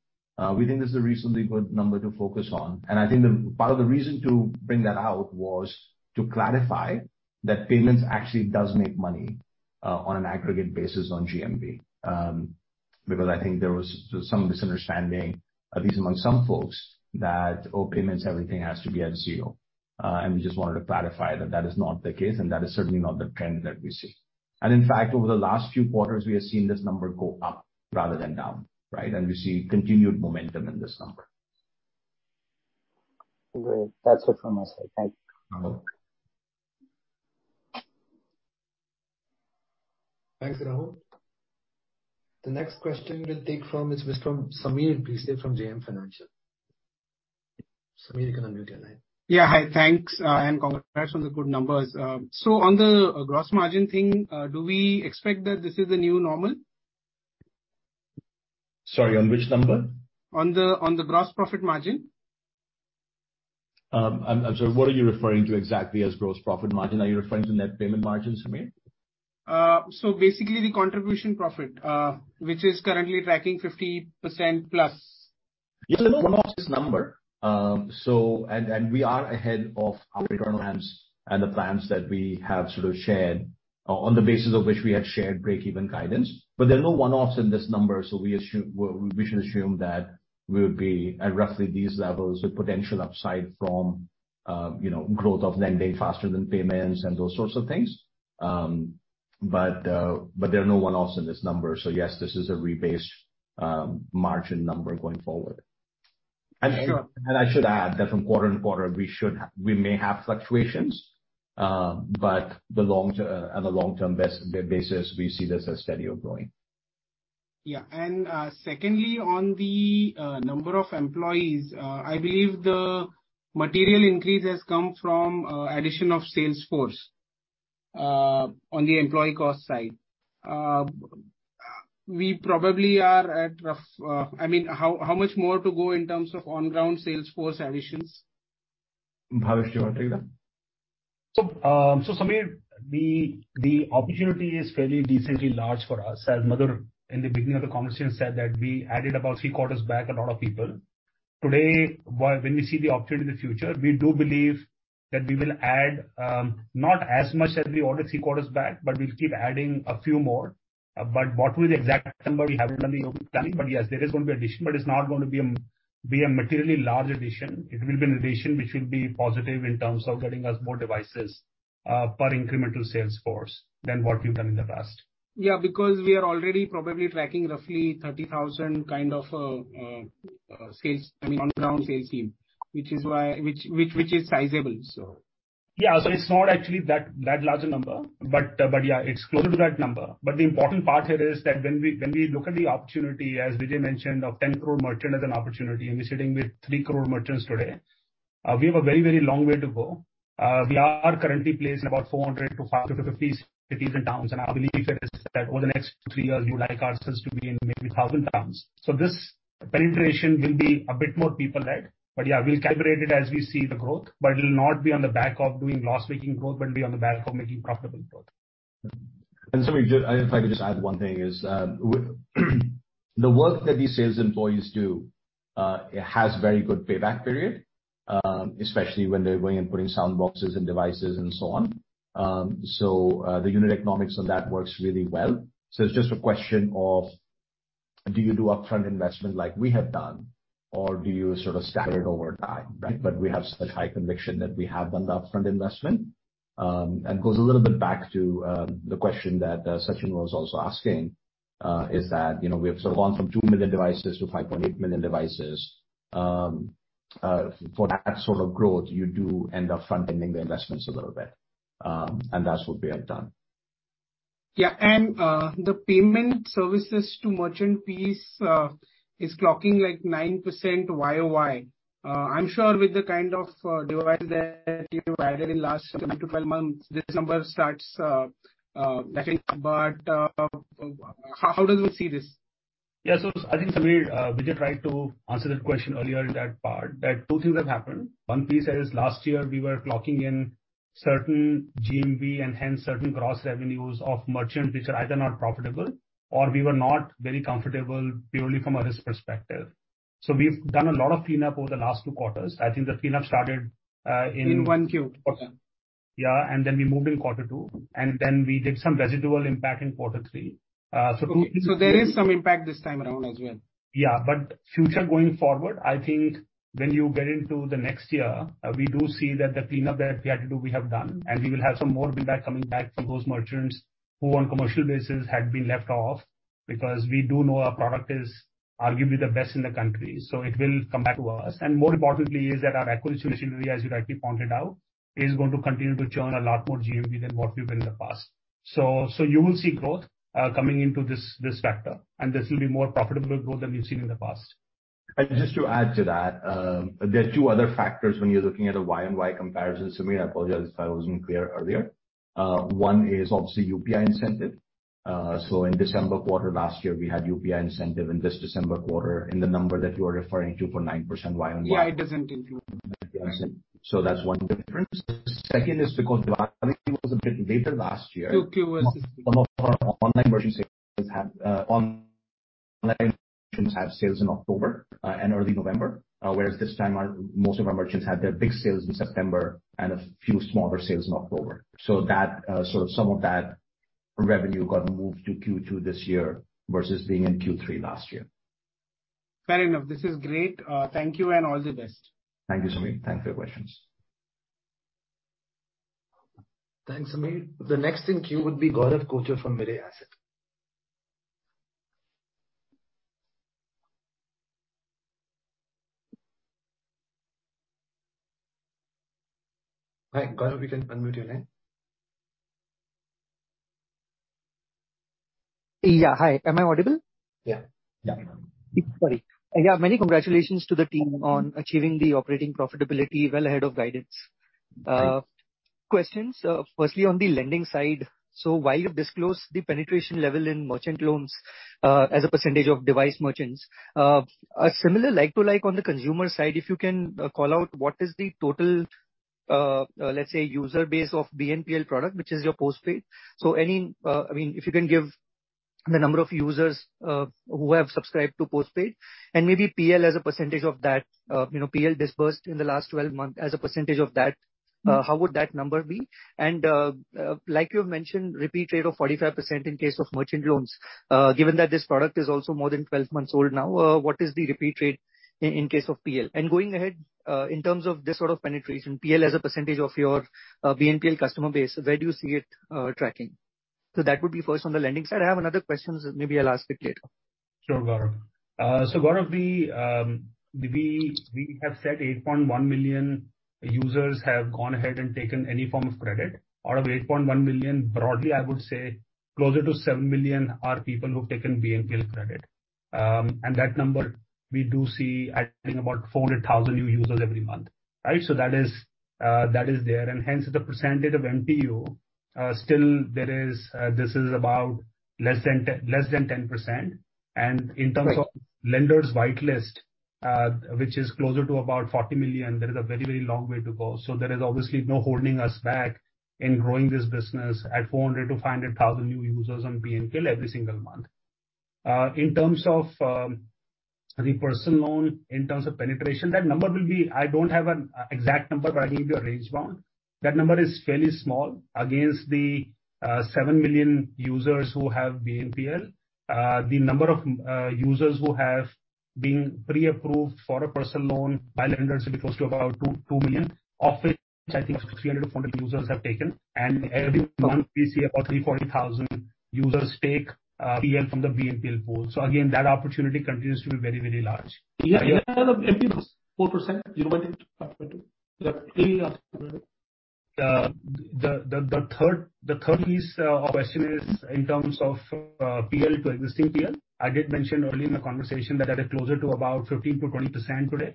We think this is a reasonably good number to focus on. I think the. Part of the reason to bring that out was to clarify that payments actually does make money, on an aggregate basis on GMV. Because I think there was some misunderstanding, at least among some folks, that, "Oh, payments, everything has to be at zero." We just wanted to clarify that that is not the case, and that is certainly not the trend that we see. In fact, over the last few quarters, we have seen this number go up rather than down, right? We see continued momentum in this number. Great. That's it from my side. Thank you. Mm-hmm. Thanks, Rahul. The next question we'll take from is Mr. Sameer Bhise from JM Financial. Sameer, you can unmute your line. Yeah. Hi. Thanks, congrats on the good numbers. On the gross margin thing, do we expect that this is the new normal? Sorry, on which number? On the gross profit margin. I'm sorry. What are you referring to exactly as gross profit margin? Are you referring to net payment margins, Sameer? Basically the contribution profit, which is currently tracking 50% plus. Yeah, look, one-off this number. We are ahead of our internal plans and the plans that we have sort of shared, on the basis of which we had shared breakeven guidance. There are no one-offs in this number, so we assume, well, we should assume that we would be at roughly these levels with potential upside from, you know, growth of lending faster than payments and those sorts of things. There are no one-offs in this number. Yes, this is a rebased margin number going forward. And- Sure, and I should add that from quarter and quarter, we may have fluctuations. On a long-term basis, we see this as steady or growing. Yeah. Secondly, on the number of employees, I believe the material increase has come from addition of sales force on the employee cost side. We probably are at rough, I mean, how much more to go in terms of on-ground sales force additions? Bhavesh, do you wanna take that? Sameer, the opportunity is fairly decently large for us. As Madhur in the beginning of the conversation said that we added about 3 quarters back a lot of people. Today, when we see the opportunity in the future, we do believe that we will add not as much as we ordered 3 quarters back, but we'll keep adding a few more. What will the exact number, we haven't really opened time, but yes, there is gonna be addition, but it's not gonna be a materially large addition. It will be an addition which will be positive in terms of getting us more devices per incremental sales force than what we've done in the past. Yeah, because we are already probably tracking roughly 30,000 kind of sales, I mean, on-ground sales team, which is why. Which is sizable, so. Yeah. It's not actually that large a number. Yeah, it's closer to that number. The important part here is that when we look at the opportunity, as Vijay mentioned, of 10 crore merchant as an opportunity, and we're sitting with 3 crore merchants today, we have a very, very long way to go. We are currently placed in about 400 to 550 cities and towns, and our belief here is that over the next 2, 3 years, we would like ourselves to be in maybe 1,000 towns. This penetration will be a bit more people-led. Yeah, we'll calibrate it as we see the growth, but it'll not be on the back of doing loss-making growth, but it'll be on the back of making profitable growth. Sameer, just, if I could just add one thing is, the work that these sales employees do, has very good payback period, especially when they're going and putting Soundboxes and devices and so on. So, the unit economics on that works really well. It's just a question of. Do you do upfront investment like we have done, or do you sort of stagger it over time? Right. We have such high conviction that we have done the upfront investment. It goes a little bit back to the question that Sachin was also asking, is that, you know, we have sort of gone from 2 million devices to 5.8 million devices. For that sort of growth, you do end up front-ending the investments a little bit. And that's what we have done. Yeah. The payment services to merchant fees is clocking like 9% YoY. I'm sure with the kind of device that you've added in last 7-12 months, this number starts, I think. How do you see this? Yeah. I think, Sameer, Vijay tried to answer that question earlier in that part, that two things have happened. One piece is last year we were clocking in certain GMV and hence certain gross revenues of merchants which are either not profitable or we were not very comfortable purely from a risk perspective. We've done a lot of cleanup over the last two quarters. I think the cleanup started. In 1Q. Okay. Yeah. We moved in quarter two, and then we did some residual impact in quarter three. There is some impact this time around as well. Yeah. Future going forward, I think when you get into the next year, we do see that the cleanup that we had to do, we have done, and we will have some more of that coming back from those merchants who on commercial basis had been left off, because we do know our product is arguably the best in the country, so it will come back to us. More importantly is that our acquisition machinery, as you rightly pointed out, is going to continue to churn a lot more GMV than what we've been in the past. You will see growth, coming into this factor, and this will be more profitable growth than we've seen in the past. Just to add to that, there are two other factors when you're looking at a YoY comparison, Sameer. I apologize if I wasn't clear earlier. One is obviously UPI incentive. In December quarter last year, we had UPI incentive. In this December quarter, in the number that you are referring to for 9% YoY. Yeah, it doesn't include. That's one difference. The second is because Diwali was a bit later last year. Q was. Some of our online merchants have sales in October and early November, whereas this time our, most of our merchants had their big sales in September and a few smaller sales in October. That, so some of that revenue got moved to Q2 this year versus being in Q3 last year. Fair enough. This is great. thank you and all the best. Thank you, Sameer. Thanks for your questions. Thanks, Sameer. The next in queue would be Gaurav Kochar from Mirae Asset. Hi, Gaurav. You can unmute your line. Yeah. Hi. Am I audible? Yeah. Yeah. Sorry. Yeah. Many congratulations to the team on achieving the operating profitability well ahead of guidance. Questions, firstly on the lending side. While you've disclosed the penetration level in merchant loans, as a percentage of device merchants, a similar like to like on the consumer side, if you can call out what is the total, let's say user base of BNPL product, which is your Paytm Postpaid. Any, I mean, if you can give the number of users who have subscribed to Paytm Postpaid and maybe PL as a percentage of that, you know, PL disbursed in the last 12 months as a percentage of that, how would that number be? Like you mentioned, repeat rate of 45% in case of merchant loans. Given that this product is also more than 12 months old now, what is the repeat rate in case of PL? Going ahead, in terms of this sort of penetration, PL as a percentage of your BNPL customer base, where do you see it tracking? That would be first on the lending side. I have another question, so maybe I'll ask it later. Sure, Gaurav. Gaurav, we have said 8.1 million users have gone ahead and taken any form of credit. Out of 8.1 million, broadly, I would say closer to 7 million are people who've taken BNPL credit. That number we do see adding about 400,000 new users every month. Right? That is there and hence the percentage of MTU still there is this is about less than 10%. In terms of lenders' whitelist, which is closer to about 40 million, there is a very, very long way to go. There is obviously no holding us back in growing this business at 400,000-500,000 new users on BNPL every single month. In terms of the personal loan, in terms of penetration, that number will be, I don't have an exact number, but I'll give you a range bound. That number is fairly small against the 7 million users who have BNPL. The number of users who have been pre-approved for a personal loan by lenders will be close to about 2 million. Of which I think 300-400 users have taken. Every month we see about 340,000 users take PL from the BNPL pool. Again, that opportunity continues to be very, very large. Yeah. The third piece of question is in terms of PL to existing PL. I did mention early in the conversation that they're closer to about 15%-20% today.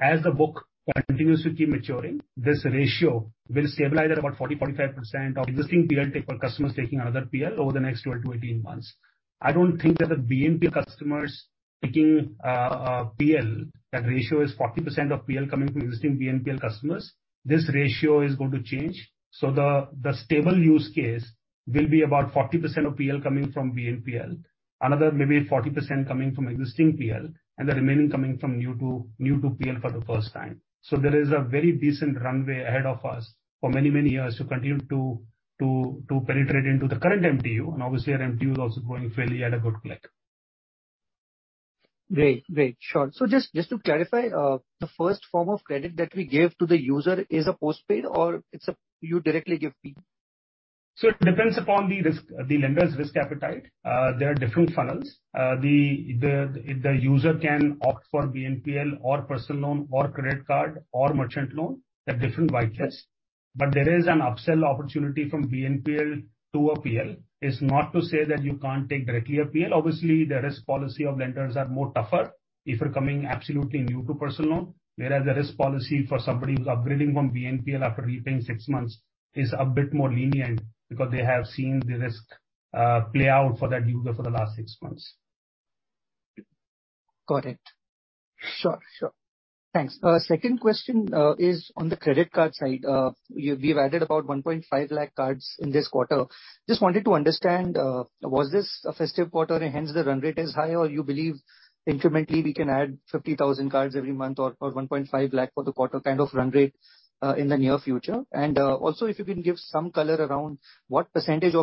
As the book continues to keep maturing, this ratio will stabilize at about 40%-45% of existing PL customers taking another PL over the next 12-18 months. I don't think that the BNPL customers taking PL, that ratio is 40% of PL coming from existing BNPL customers. This ratio is going to change. The stable use case will be about 40% of PL coming from BNPL, another maybe 40% coming from existing PL, and the remaining coming from new to PL for the first time. There is a very decent runway ahead of us for many, many years to continue to penetrate into the current MTU. Obviously our MTU is also growing fairly at a good clip. Great. Great. Sure. Just to clarify, the first form of credit that we give to the user is a Postpaid or it's a you directly give fee? It depends upon the risk, the lender's risk appetite. There are different funnels. The user can opt for BNPL or personal loan or credit card or merchant loan. They're different white lists. There is an upsell opportunity from BNPL to a PL. It's not to say that you can't take directly a PL. Obviously, the risk policy of lenders are more tougher if you're coming absolutely new to personal loan, whereas the risk policy for somebody who's upgrading from BNPL after repaying six months is a bit more lenient because they have seen the risk play out for that user for the last six months. Got it. Sure. Sure. Thanks. Second question is on the credit card side. We've added about 1.5 lakh cards in this quarter. Just wanted to understand, was this a festive quarter and hence the run rate is high? Or you believe incrementally we can add 50,000 cards every month or 1.5 lakh for the quarter kind of run rate in the near future? Also if you can give some color around what % of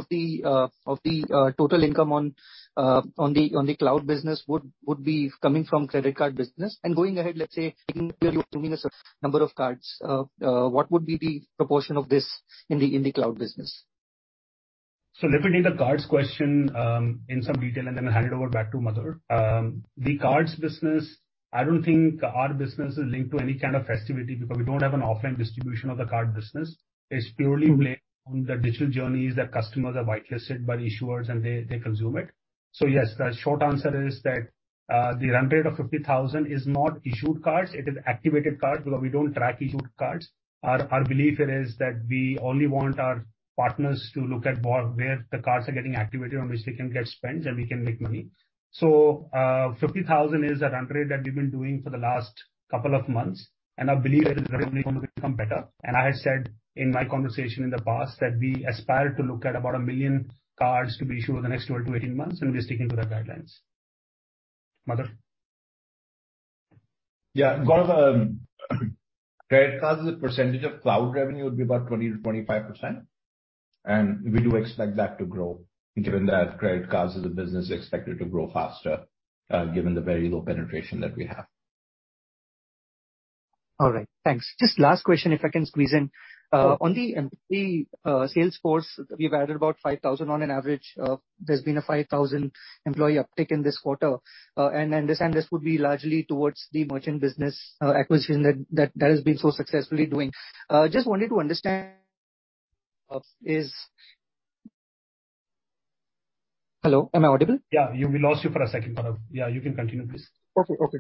the total income on the cloud business would be coming from credit card business. Going ahead, let's say number of cards, what would be the proportion of this in the cloud business? Let me take the cards question, in some detail and then hand it over back to Madhur. The cards business, I don't think our business is linked to any kind of festivity because we don't have an offline distribution of the card business. It's purely playing on the digital journeys that customers are whitelisted by the issuers and they consume it. Yes, the short answer is that the run rate of 50,000 is not issued cards, it is activated cards, because we don't track issued cards. Our belief here is that we only want our partners to look at where the cards are getting activated, on which they can get spends and we can make money. 50,000 is a run rate that we've been doing for the last couple of months, and I believe it is only gonna become better. I said in my conversation in the past that we aspire to look at about 1 million cards to be issued over the next 12-18 months, and we're sticking to the guidelines, Madhur? Yeah. Gaurav, credit cards as a percentage of cloud revenue would be about 20%-25%. We do expect that to grow, given that credit cards as a business is expected to grow faster, given the very low penetration that we have. All right. Thanks. Just last question, if I can squeeze in. Sure. On the employee, sales force, we've added about 5,000 on an average. There's been a 5,000 employee uptick in this quarter. I understand this would be largely towards the merchant business acquisition that has been so successfully doing. Just wanted to understand, Hello, am I audible? Yeah. You, we lost you for a second, Gaurav. Yeah, you can continue please. Okay. Okay.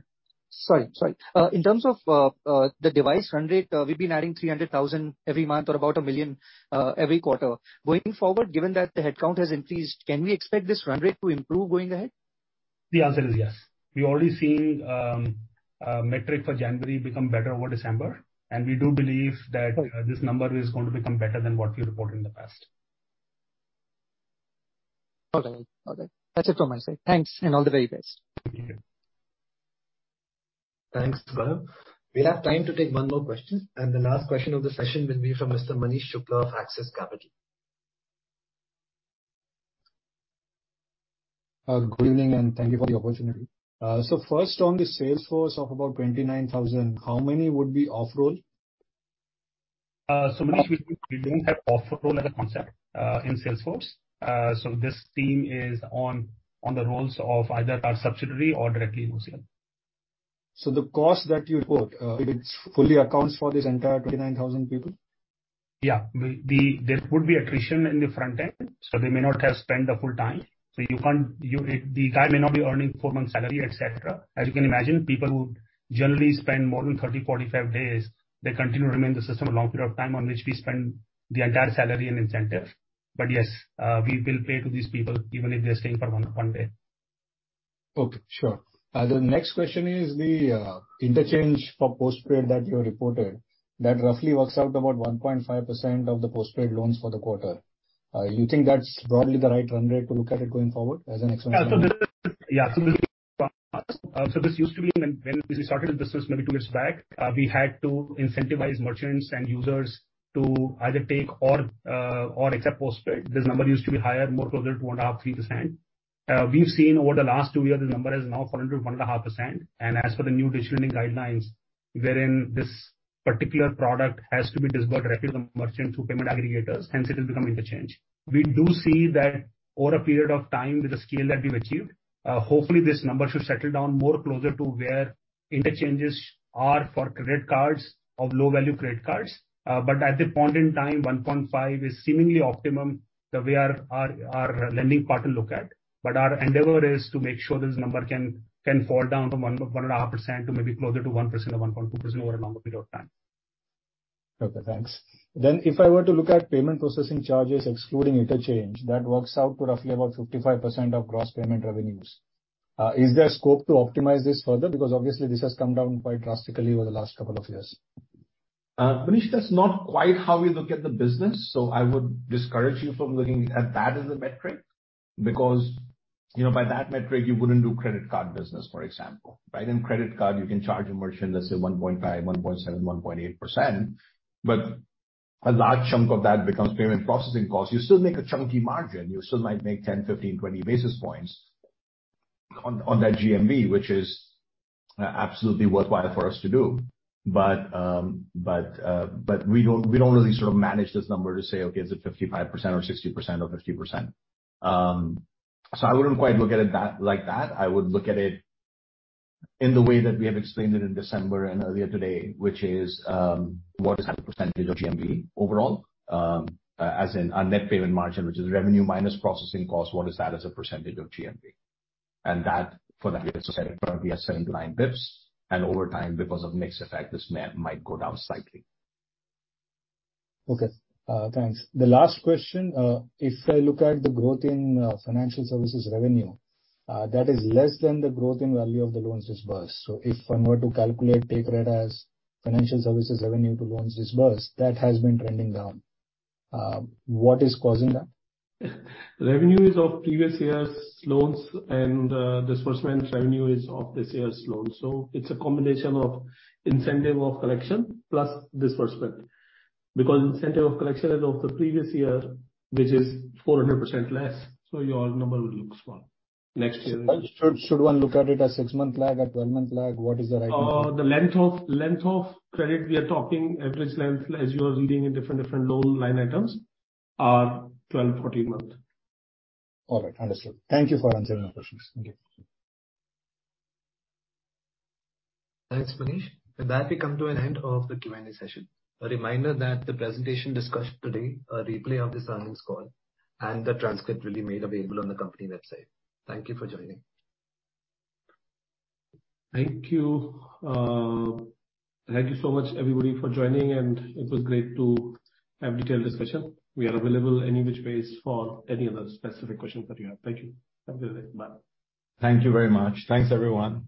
Sorry. Sorry. In terms of the device run rate, we've been adding 300,000 every month or about 1 million every quarter. Going forward, given that the headcount has increased, can we expect this run rate to improve going ahead? The answer is yes. We've already seen metric for January become better over December. We do believe that this number is going to become better than what we reported in the past. All right. Okay. That's it from my side. Thanks, and all the very best. Thanks, Gaurav. We have time to take one more question, and the last question of the session will be from Mr. Manish Shukla of Axis Capital. Good evening, and thank you for the opportunity. First on the sales force of about 29,000, how many would be off-role? Manish, we don't have off-role as a concept in sales force. This team is on the roles of either our subsidiary or directly mostly. The cost that you put, it fully accounts for this entire 29,000 people? We There could be attrition in the front end. They may not have spent the full time. You can't, the guy may not be earning 4 months' salary, et cetera. As you can imagine, people who generally spend more than 30-45 days, they continue to remain in the system a long period of time on which we spend the entire salary and incentive. Yes, we will pay to these people even if they're staying for 1 day. Okay. Sure. The next question is the interchange for postpaid that you reported, that roughly works out about 1.5% of the postpaid loans for the quarter. You think that's broadly the right run rate to look at it going forward as an exponential? Yeah. So this is, yeah. So this is. So this used to be when we started the business maybe two years back, we had to incentivize merchants and users to either take or accept postpaid. This number used to be higher, more closer to 1.5%, 3%. We've seen over the last two years the number has now fallen to 1.5%. As per the new digital lending guidelines, wherein this particular product has to be disbursed directly from merchants through payment aggregators, hence it is becoming interchange. We do see that over a period of time with the scale that we've achieved, hopefully this number should settle down more closer to where interchanges are for credit cards of low-value credit cards. At that point in time, 1.5 is seemingly optimum the way our lending partner look at. Our endeavor is to make sure this number can fall down from 1.5% to maybe closer to 1% or 1.2% over a longer period of time. Okay, thanks. If I were to look at payment processing charges excluding interchange, that works out to roughly about 55% of gross payment revenues. Is there scope to optimize this further? Because obviously this has come down quite drastically over the last couple of years. Manish, that's not quite how we look at the business. I would discourage you from looking at that as a metric because, you know, by that metric, you wouldn't do credit card business, for example, right? In credit card, you can charge a merchant, let's say 1.5, 1.7, 1.8, but A large chunk of that becomes payment processing costs. You still make a chunky margin. You still might make 10, 15, 20 basis points on that GMV, which is absolutely worthwhile for us to do. We don't really sort of manage this number to say, "Okay, is it 55% or 60% or 50%?" I wouldn't quite look at it that, like that. I would look at it in the way that we have explained it in December and earlier today, which is, what is that percentage of GMV overall, as in our net payment margin, which is revenue minus processing costs, what is that as a percentage of GMV? That, for that we are selling 9 BPS, and over time, because of mix effect, this might go down slightly. Okay, thanks. The last question. If I look at the growth in financial services revenue, that is less than the growth in value of the loans disbursed. If I were to calculate, take that as financial services revenue to loans disbursed, that has been trending down. What is causing that? Revenue is of previous years' loans and disbursement revenue is of this year's loans. It's a combination of incentive of collection plus disbursement. Incentive of collection is of the previous year, which is 400% less, so your number would look small. Next year Should one look at it as 6-month lag or 12-month lag? What is the right way to look? The length of credit, we are talking average length, as you are reading in different loan line items, are 12, 14 month. All right. Understood. Thank you for answering my questions. Thank you. Thanks, Manish. With that, we come to an end of the Q&A session. A reminder that the presentation discussed today, a replay of this earnings call and the transcript will be made available on the company website. Thank you for joining. Thank you. Thank you so much, everybody, for joining, and it was great to have detailed discussion. We are available any which ways for any other specific questions that you have. Thank you. Have a good day. Bye. Thank you very much. Thanks, everyone. Bye.